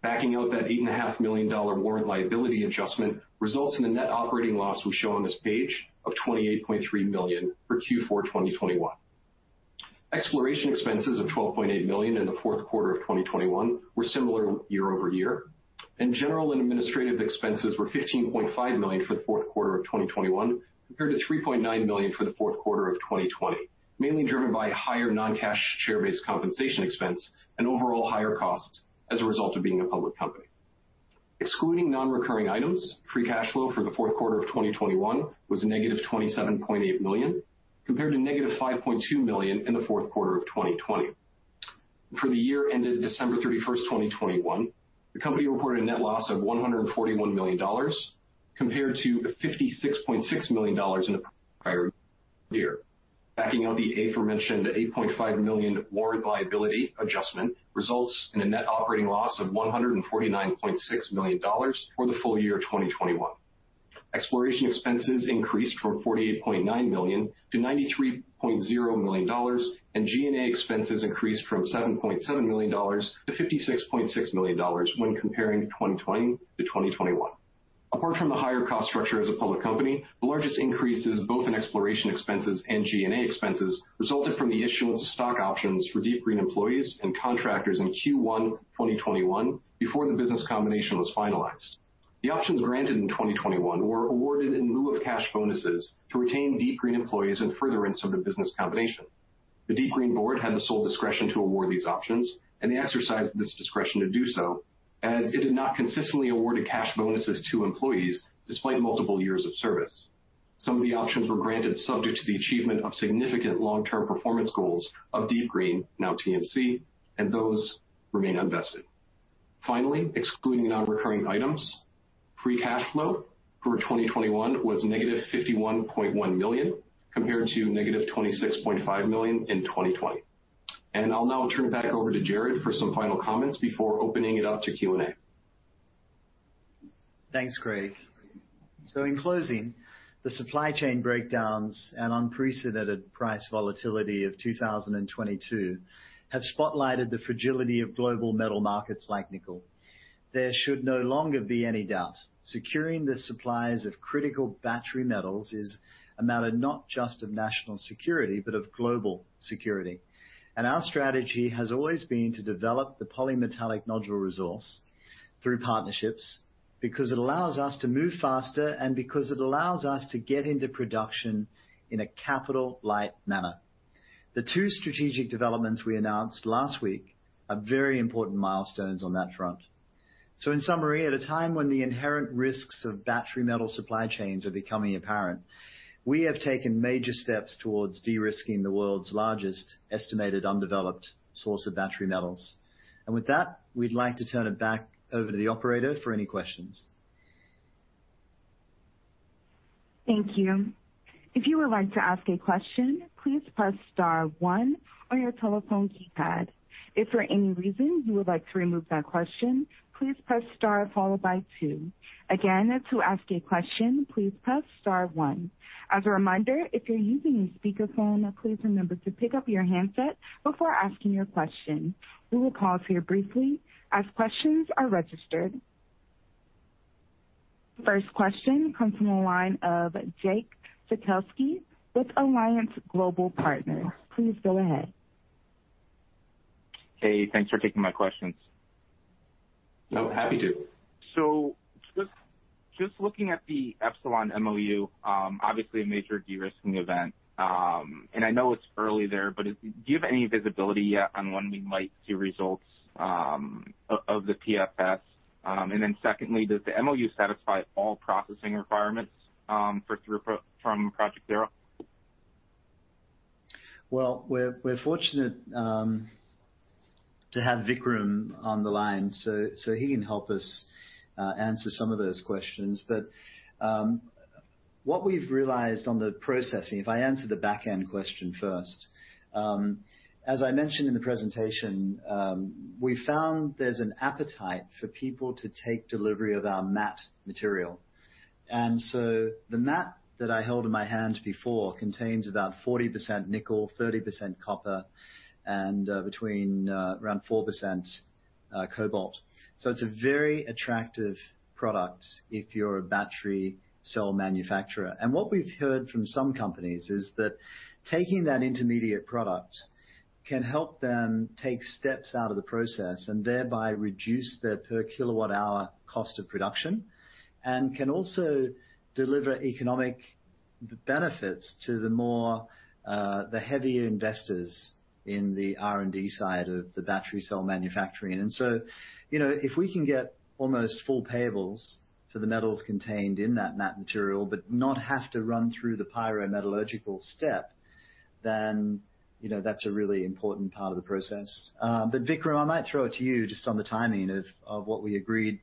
Backing out that $8.5 million warrant liability adjustment results in a net operating loss we show on this page of $28.3 million for Q4 2021. Exploration expenses of $12.8 million in the fourth quarter of 2021 were similar year-over-year. General and administrative expenses were $15.5 million for the fourth quarter of 2021 compared to $3.9 million for the fourth quarter of 2020, mainly driven by higher non-cash share-based compensation expense and overall higher costs as a result of being a public company. Excluding non-recurring items, free cash flow for the fourth quarter of 2021 was a negative $27.8 million, compared to negative $5.2 million in the fourth quarter of 2020. For the year ended December 31, 2021, the company reported a net loss of $141 million compared to $56.6 million in the prior year. Backing out the aforementioned $8.5 million warrant liability adjustment results in a net operating loss of $149.6 million for the full year 2021. Exploration expenses increased from $48.9 million to $93.0 million, and G&A expenses increased from $7.7 million to $56.6 million when comparing 2020 to 2021. Apart from the higher cost structure as a public company, the largest increases both in exploration expenses and G&A expenses resulted from the issuance of stock options for DeepGreen employees and contractors in Q1 2021, before the business combination was finalized. The options granted in 2021 were awarded in lieu of cash bonuses to retain DeepGreen employees and furtherance of the business combination. The DeepGreen board had the sole discretion to award these options, and they exercised this discretion to do so as it had not consistently awarded cash bonuses to employees despite multiple years of service. Some of the options were granted subject to the achievement of significant long-term performance goals of DeepGreen, now TMC, and those remain unvested. Finally, excluding non-recurring items, free cash flow for 2021 was negative $51.1 million, compared to negative $26.5 million in 2020. I'll now turn it back over to Gerard for some final comments before opening it up to Q&A. Thanks, Craig. In closing, the supply chain breakdowns and unprecedented price volatility of 2022 have spotlighted the fragility of global metal markets like nickel. There should no longer be any doubt. Securing the supplies of critical battery metals is a matter not just of national security but of global security. Our strategy has always been to develop the polymetallic nodule resource through partnerships because it allows us to move faster and because it allows us to get into production in a capital-light manner. The two strategic developments we announced last week are very important milestones on that front. In summary, at a time when the inherent risks of battery metal supply chains are becoming apparent, we have taken major steps towards de-risking the world's largest estimated undeveloped source of battery metals. With that, we'd like to turn it back over to the operator for any questions. First question comes from the line of Jake Sekelsky with Alliance Global Partners. Please go ahead. Hey, thanks for taking my questions. No, happy to. Just looking at the Epsilon MOU, obviously a major de-risking event. I know it's early there, but do you have any visibility yet on when we might see results of the PFS? Secondly, does the MOU satisfy all processing requirements for throughput from Project Zero? Well, we're fortunate to have Vikram on the line, so he can help us answer some of those questions. What we've realized on the processing, if I answer the back-end question first, as I mentioned in the presentation, we found there's an appetite for people to take delivery of our matte material. The matte that I held in my hand before contains about 40% nickel, 30% copper and between around 4% cobalt. It's a very attractive product if you're a battery cell manufacturer. What we've heard from some companies is that taking that intermediate product can help them take steps out of the process and thereby reduce their per kilowatt-hour cost of production, and can also deliver economic benefits to the more, the heavier investors in the R&D side of the battery cell manufacturing. You know, if we can get almost full payables for the metals contained in that matte material but not have to run through the pyrometallurgical step, then, you know, that's a really important part of the process. But Vikram, I might throw it to you just on the timing of what we agreed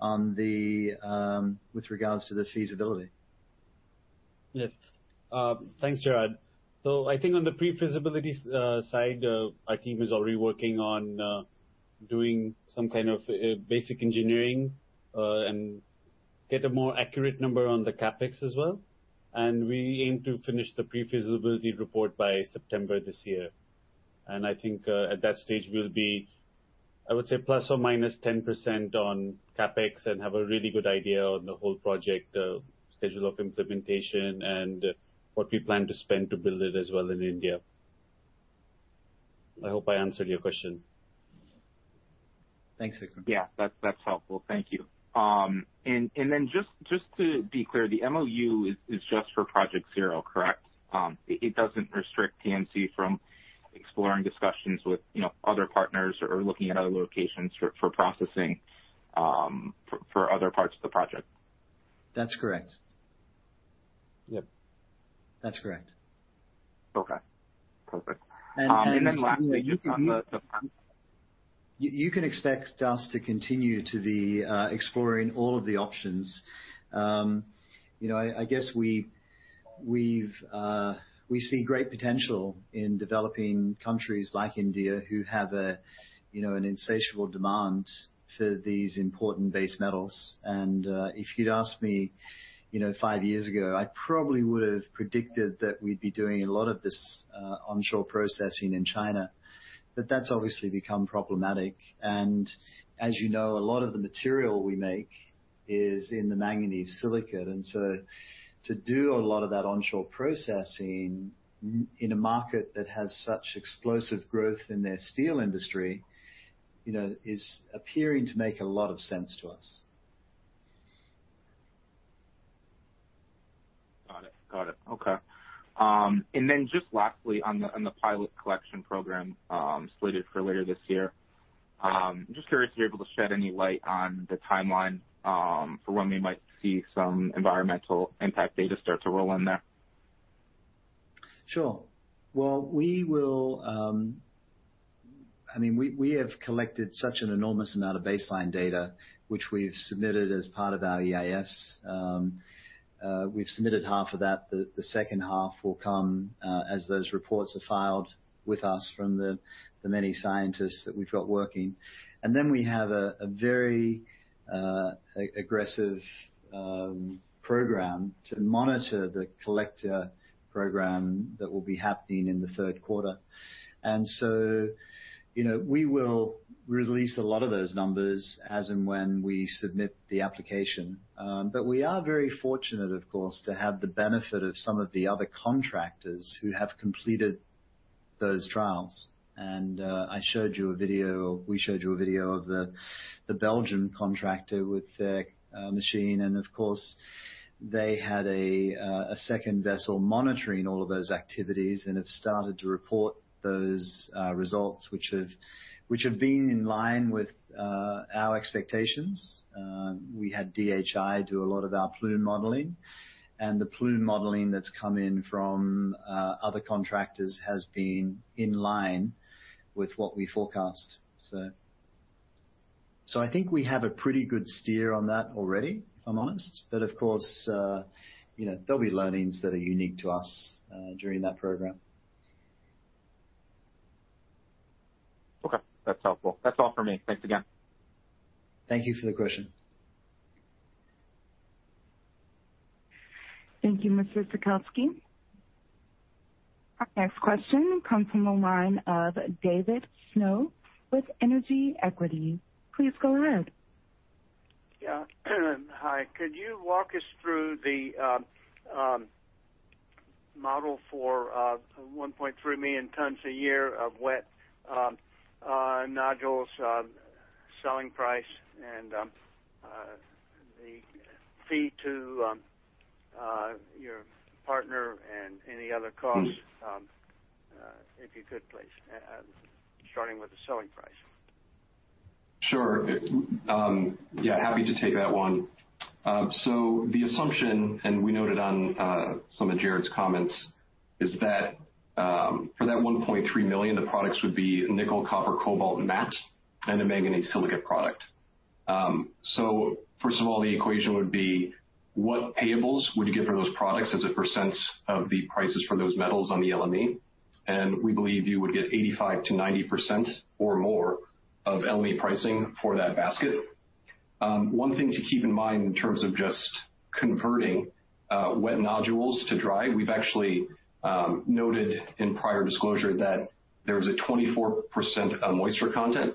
with regards to the feasibility. Yes. Thanks, Gerard. I think on the pre-feasibility side, our team is already working on doing some kind of basic engineering and get a more accurate number on the CapEx as well. We aim to finish the pre-feasibility report by September this year. I think at that stage we'll be, I would say ±10% on CapEx and have a really good idea on the whole project schedule of implementation and what we plan to spend to build it as well in India. I hope I answered your question. Thanks, Vikram. Yeah. That's helpful. Thank you. To be clear, the MOU is just for Project Zero, correct? It doesn't restrict TMC from exploring discussions with, you know, other partners or looking at other locations for processing, for other parts of the project? That's correct. Yep. That's correct. Okay. Perfect. And, and you know, you can- Lastly, just on the You can expect us to continue to be exploring all of the options. You know, I guess we see great potential in developing countries like India, who have, you know, an insatiable demand for these important base metals. If you'd asked me, you know, five years ago, I probably would have predicted that we'd be doing a lot of this onshore processing in China. But that's obviously become problematic. As you know, a lot of the material we make is in the manganese silicate. To do a lot of that onshore processing in a market that has such explosive growth in their steel industry, you know, is appearing to make a lot of sense to us. Got it. Okay. Just lastly on the pilot collection program, slated for later this year, just curious if you're able to shed any light on the timeline, for when we might see some environmental impact data start to roll in there? Sure. Well, we have collected such an enormous amount of baseline data, which we've submitted as part of our EIS. We've submitted half of that. The second half will come as those reports are filed with us from the many scientists that we've got working. We have a very aggressive program to monitor the collector program that will be happening in the third quarter. You know, we will release a lot of those numbers as and when we submit the application. We are very fortunate, of course, to have the benefit of some of the other contractors who have completed those trials. We showed you a video of the Belgian contractor with their machine, and of course, they had a second vessel monitoring all of those activities and have started to report those results which have been in line with our expectations. We had DHI do a lot of our plume modeling, and the plume modeling that's come in from other contractors has been in line with what we forecast. I think we have a pretty good steer on that already, if I'm honest. Of course, you know, there'll be learnings that are unique to us during that program. Okay. That's helpful. That's all for me. Thanks again. Thank you for the question. Thank you, Mr. Sekelsky. Our next question comes from the line of David Snow with Energy Equities. Please go ahead. Yeah. Hi. Could you walk us through the model for 1.3 million tons a year of wet nodules, selling price and the fee to your partner and any other costs, if you could please, and starting with the selling price? Sure. Yeah, happy to take that one. The assumption, and we noted on some of Gerard's comments, is that for that 1.3 million, the products would be nickel, copper, cobalt matte and a manganese silicate product. First of all, the equation would be what payables would you get for those products as a percent of the prices for those metals on the LME? We believe you would get 85%-90% or more of LME pricing for that basket. One thing to keep in mind in terms of just converting wet nodules to dry, we've actually noted in prior disclosure that there is a 24% of moisture content.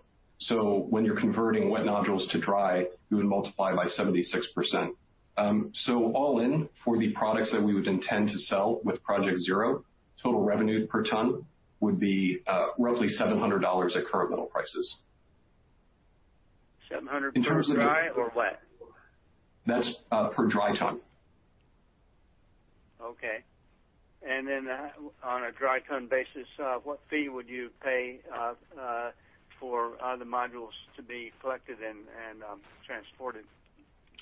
When you're converting wet nodules to dry, you would multiply by 76%. All in for the products that we would intend to sell with Project Zero, total revenue per ton would be roughly $700 at current metal prices. $700 per dry or wet? That's per dry ton. Okay. On a dry ton basis, what fee would you pay for the nodules to be collected and transported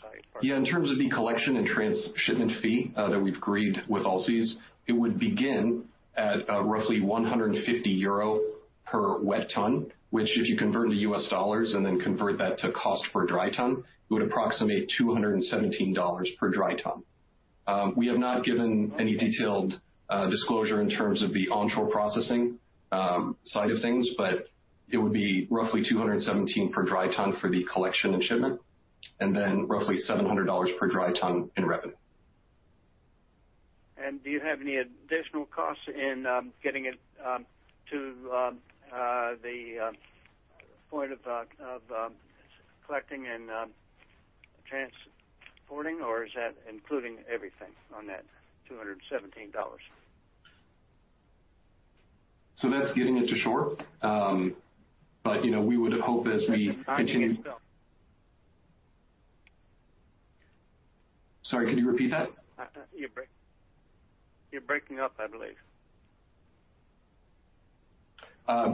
by your partner? Yeah. In terms of the collection and trans-shipment fee that we've agreed with Allseas, it would begin at roughly 150 euro per wet ton, which if you convert to US dollars and then convert that to cost per dry ton, it would approximate $217 per dry ton. We have not given any detailed disclosure in terms of the onshore processing side of things, but it would be roughly $217 per dry ton for the collection and shipment, and then roughly $700 per dry ton in revenue. Do you have any additional costs in getting it to the point of collecting and transporting, or is that including everything on that $217? That's getting it to shore. You know, we would hope as we continue. Sorry, could you repeat that? You're breaking up, I believe.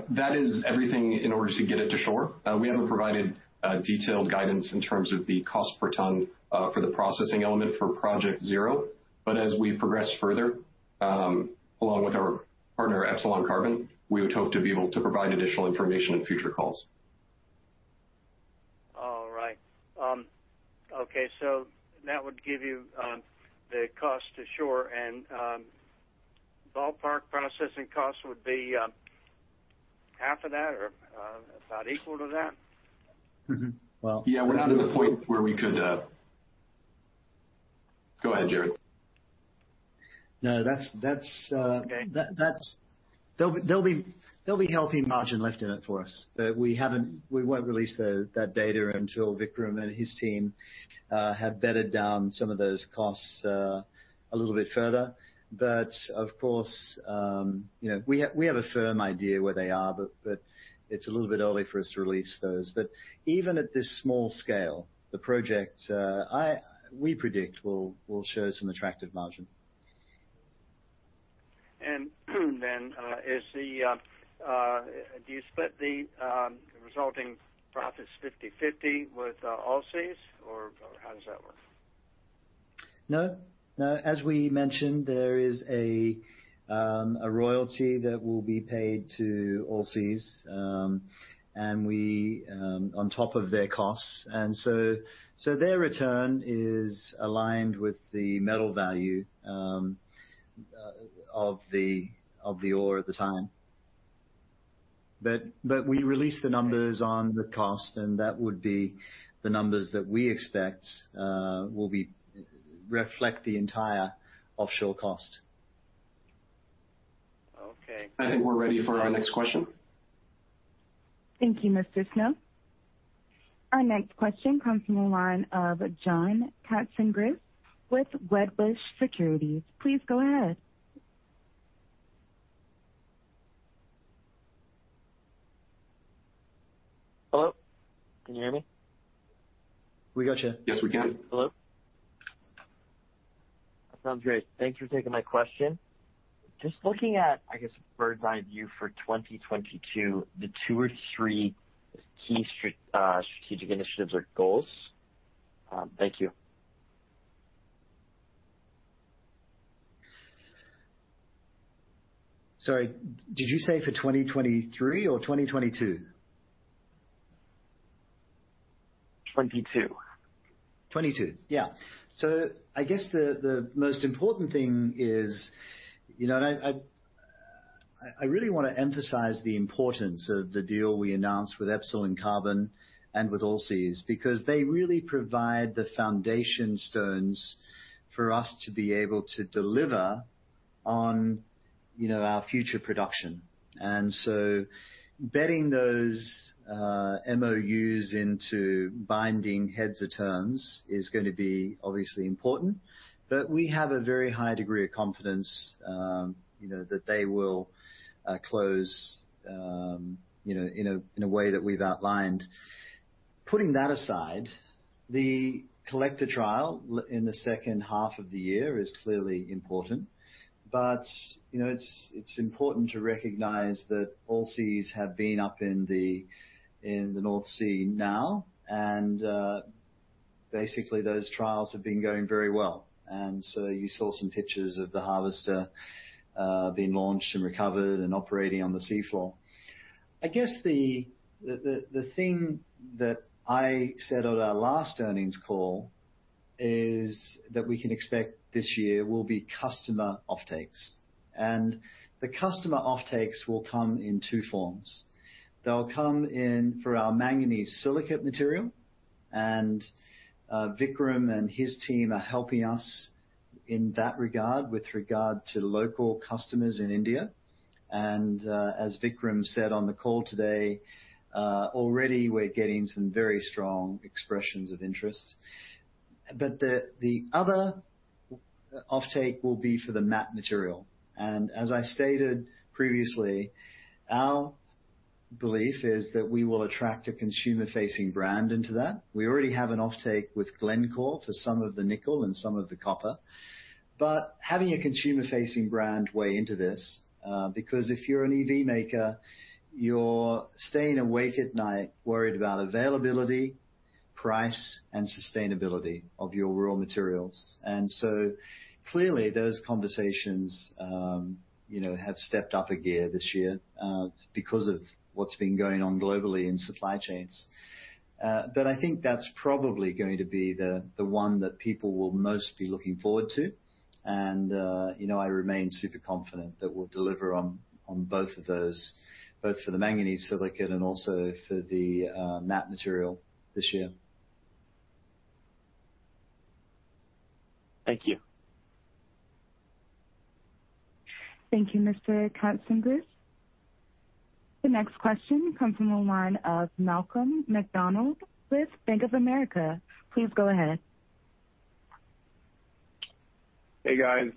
That is everything in order to get it to shore. We haven't provided detailed guidance in terms of the cost per ton for the processing element for Project Zero. As we progress further along with our partner, Epsilon Carbon, we would hope to be able to provide additional information in future calls. All right. That would give you the cost to shore and ballpark processing costs would be half of that or about equal to that? Mm-hmm. Well Yeah, we're not at the point where we could. Go ahead, Gerard. No, that's. There'll be healthy margin left in it for us. We won't release that data until Vikram and his team have bedded down some of those costs a little bit further. Of course, you know, we have a firm idea where they are, but it's a little bit early for us to release those. Even at this small scale, the project we predict will show some attractive margin. Do you split the resulting profits 50/50 Allseas, or how does that work? No. As we mentioned, there is a royalty that will be paid to Allseas, and we on top of their costs. Their return is aligned with the metal value of the ore at the time. We release the numbers on the cost, and that would be the numbers that we expect will reflect the entire offshore cost. Okay. I think we're ready for our next question. Thank you, Mr. Snow. Our next question comes from the line of John Katsingris with Wedbush Securities. Please go ahead. Hello? Can you hear me? We got you. Yes, we can. Hello. That sounds great. Thanks for taking my question. Just looking at, I guess, a bird's-eye view for 2022, the two or three key strategic initiatives or goals. Thank you. Sorry, did you say for 2023 or 2022? 2022 2022. Yeah. I guess the most important thing is, you know, and I really wanna emphasize the importance of the deal we announced with Epsilon Carbon and with Allseas, because they really provide the foundation stones for us to be able to deliver on, you know, our future production. Bedding those MOUs into binding heads of terms is gonna be obviously important. We have a very high degree of confidence, you know, that they will close, you know, in a way that we've outlined. Putting that aside, the collector trial in the second half of the year is clearly important. You know, it is important to recognize that Allseas have been up in the North Sea now. Basically those trials have been going very well. You saw some pictures of the harvester being launched and recovered and operating on the seafloor. I guess the thing that I said on our last earnings call is that we can expect this year will be customer offtakes. The customer offtakes will come in two forms. They'll come in for our manganese silicate material, and Vikram and his team are helping us in that regard with regard to local customers in India. As Vikram said on the call today, already we're getting some very strong expressions of interest. The other offtake will be for the matte material. As I stated previously, our belief is that we will attract a consumer-facing brand into that. We already have an offtake with Glencore for some of the nickel and some of the copper. Having a consumer-facing brand weigh into this, because if you're an EV maker, you're staying awake at night worried about availability, price, and sustainability of your raw materials. Clearly, those conversations, you know, have stepped up a gear this year, because of what's been going on globally in supply chains. I think that's probably going to be the one that people will most be looking forward to. You know, I remain super confident that we'll deliver on both of those, both for the manganese silicate and also for the matte material this year. Thank you. Thank you, Mr. Katsingris. The next question comes from the line of Malcolm MacDonald with Bank of America. Please go ahead. Hey, guys.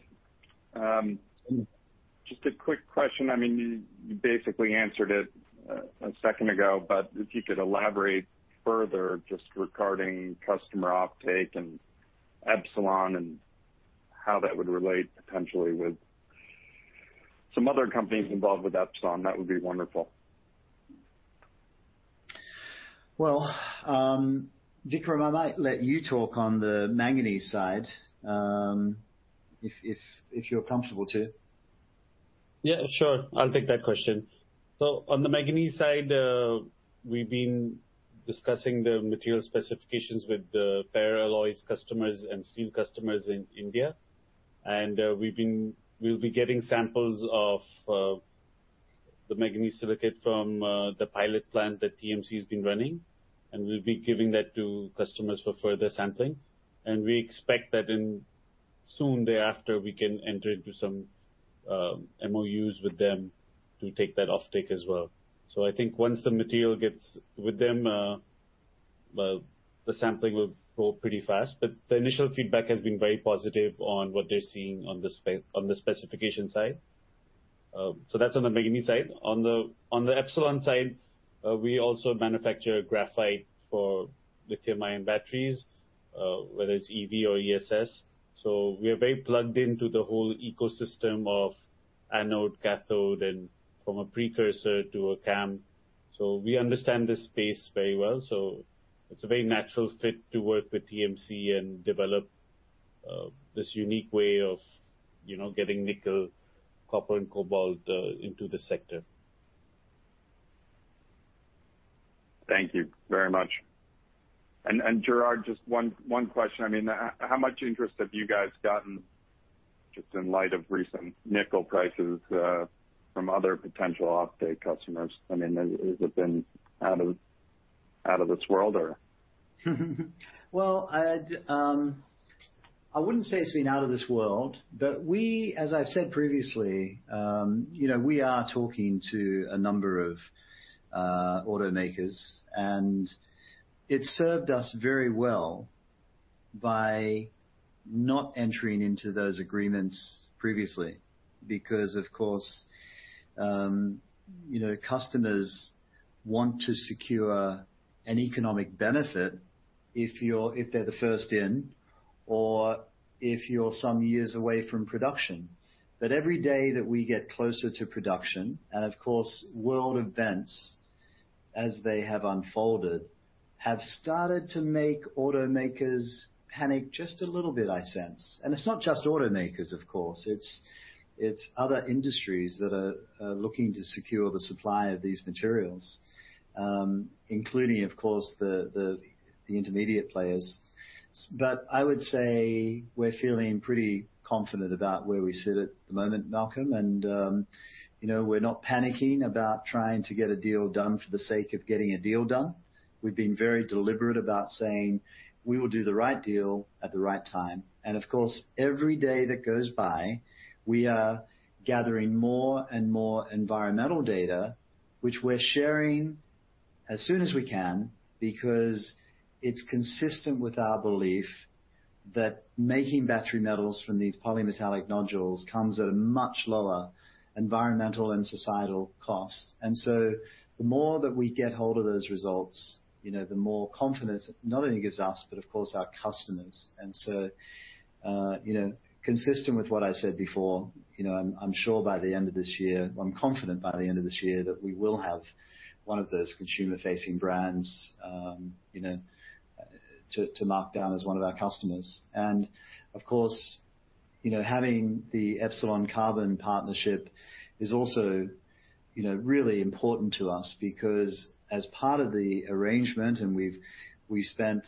Just a quick question. I mean, you basically answered it a second ago, but if you could elaborate further just regarding customer offtake and Epsilon and how that would relate potentially with some other companies involved with Epsilon. That would be wonderful. Well, Vikram, I might let you talk on the manganese side, if you're comfortable to. Yeah, sure. I'll take that question. On the manganese side, we've been discussing the material specifications with the ferroalloys customers and steel customers in India. We'll be getting samples of the manganese silicate from the pilot plant that TMC has been running, and we'll be giving that to customers for further sampling. We expect that soon thereafter, we can enter into some MOUs with them to take that offtake as well. I think once the material gets with them, the sampling will go pretty fast, but the initial feedback has been very positive on what they're seeing on the specification side. That's on the manganese side. On the Epsilon side, we also manufacture graphite for lithium-ion batteries, whether it's EV or ESS. We are very plugged into the whole ecosystem of anode, cathode, and from a precursor to a CAM. We understand this space very well. It's a very natural fit to work with TMC and develop this unique way of, you know, getting nickel, copper, and cobalt into the sector. Thank you very much. Gerard, just one question. I mean, how much interest have you guys gotten just in light of recent nickel prices, from other potential offtake customers? I mean, has it been out of this world or? Well, I'd say it's been out of this world, but we, as I've said previously, you know, we are talking to a number of automakers, and it served us very well by not entering into those agreements previously because of course, you know, customers want to secure an economic benefit if they're the first in or if you're some years away from production. Every day that we get closer to production, and of course world events as they have unfolded, have started to make automakers panic just a little bit, I sense. It's not just automakers, of course, it's other industries that are looking to secure the supply of these materials, including of course the intermediate players. I would say we're feeling pretty confident about where we sit at the moment, Malcolm, and, you know, we're not panicking about trying to get a deal done for the sake of getting a deal done. We've been very deliberate about saying we will do the right deal at the right time. Of course, every day that goes by, we are gathering more and more environmental data which we're sharing as soon as we can because it's consistent with our belief that making battery metals from these polymetallic nodules comes at a much lower environmental and societal cost. The more that we get hold of those results, you know, the more confidence it not only gives us but of course our customers. You know, consistent with what I said before, you know, I'm sure by the end of this year, I'm confident by the end of this year that we will have one of those consumer-facing brands, you know, to mark down as one of our customers. Of course, you know, having the Epsilon Carbon partnership is also, you know, really important to us because as part of the arrangement we've spent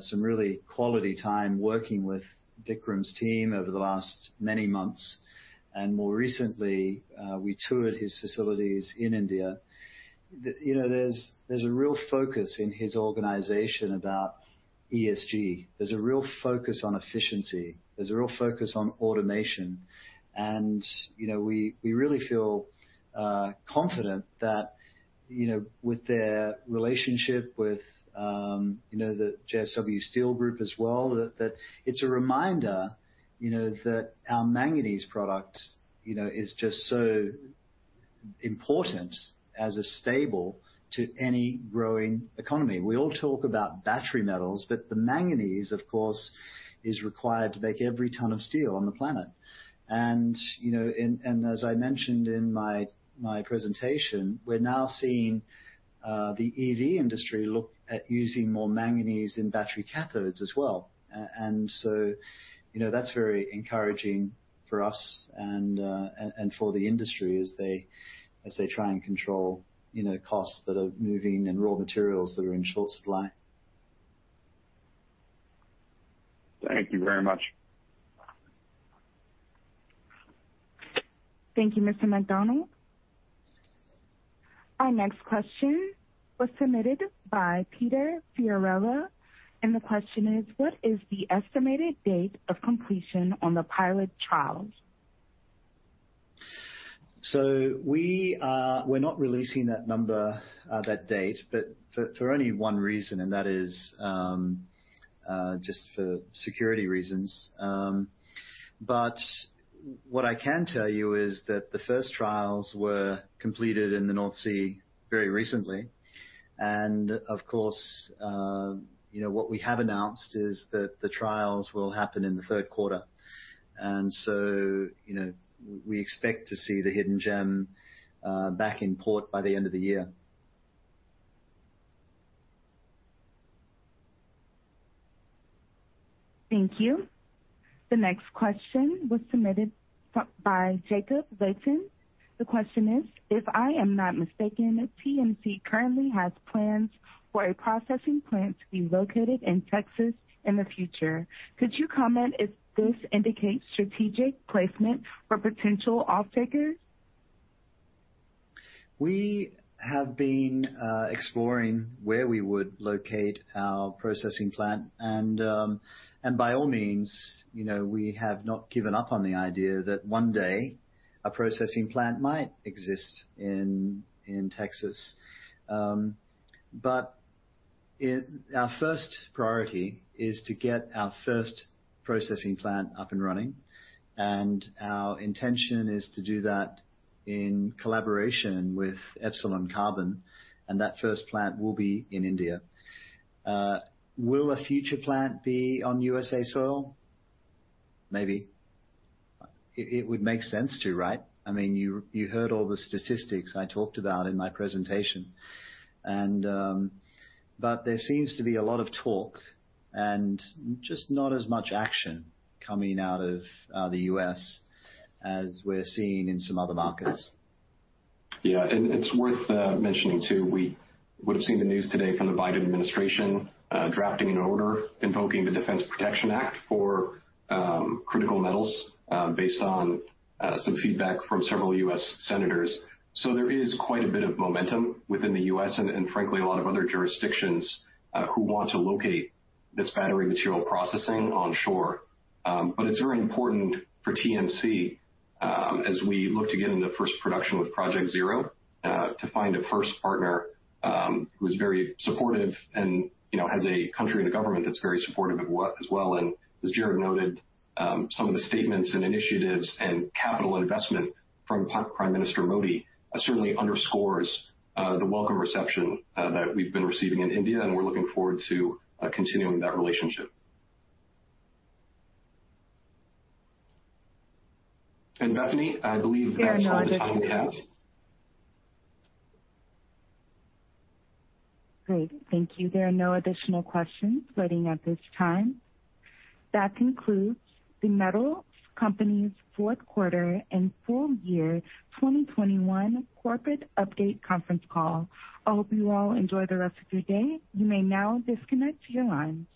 some really quality time working with Vikram's team over the last many months. More recently, we toured his facilities in India. You know, there's a real focus in his organization about ESG. There's a real focus on efficiency. There's a real focus on automation. You know, we really feel confident that, you know, with their relationship with, you know, the JSW Steel Group as well, that it's a reminder, you know, that our manganese product, you know, is just so important as a staple to any growing economy. We all talk about battery metals, but the manganese of course is required to make every ton of steel on the planet. You know, as I mentioned in my presentation, we're now seeing the EV industry look at using more manganese in battery cathodes as well. You know, that's very encouraging for us and for the industry as they try and control, you know, costs that are moving and raw materials that are in short supply. Thank you very much. Thank you, Mr. MacDonald. Our next question was submitted by Peter Fiorella and the question is: What is the estimated date of completion on the pilot trials? We're not releasing that number, that date, but for only one reason and that is just for security reasons. What I can tell you is that the first trials were completed in the North Sea very recently. Of course, you know, what we have announced is that the trials will happen in the third quarter and so, you know, we expect to see the Hidden Gem back in port by the end of the year. Thank you. The next question was submitted by Jacob Layton. The question is: If I am not mistaken, TMC currently has plans for a processing plant to be located in Texas in the future. Could you comment if this indicates strategic placement for potential off-takers? We have been exploring where we would locate our processing plant. By all means, you know, we have not given up on the idea that one day a processing plant might exist in Texas. Our first priority is to get our first processing plant up and running, and our intention is to do that in collaboration with Epsilon Carbon, and that first plant will be in India. Will a future plant be on U.S. soil? Maybe. It would make sense to, right? I mean, you heard all the statistics I talked about in my presentation. But there seems to be a lot of talk and just not as much action coming out of the U.S. as we're seeing in some other markets. Yeah. It's worth mentioning too, we would have seen the news today from the Biden administration drafting an order invoking the Defense Production Act for critical metals based on some feedback from several U.S. senators. There is quite a bit of momentum within the U.S. and frankly, a lot of other jurisdictions who want to locate this battery material processing onshore. It's very important for TMC as we look to get into first production with Project Zero to find a first partner who is very supportive and, you know, has a country and a government that's very supportive of what as well. As Gerard Barron noted, some of the statements and initiatives and capital investment from Prime Minister Modi certainly underscores the welcome reception that we've been receiving in India, and we're looking forward to continuing that relationship. Bethany, I believe that's all the time we have. Great. Thank you. There are no additional questions waiting at this time. That concludes The Metals Company's fourth quarter and full year 2021 corporate update conference call. I hope you all enjoy the rest of your day. You may now disconnect your lines.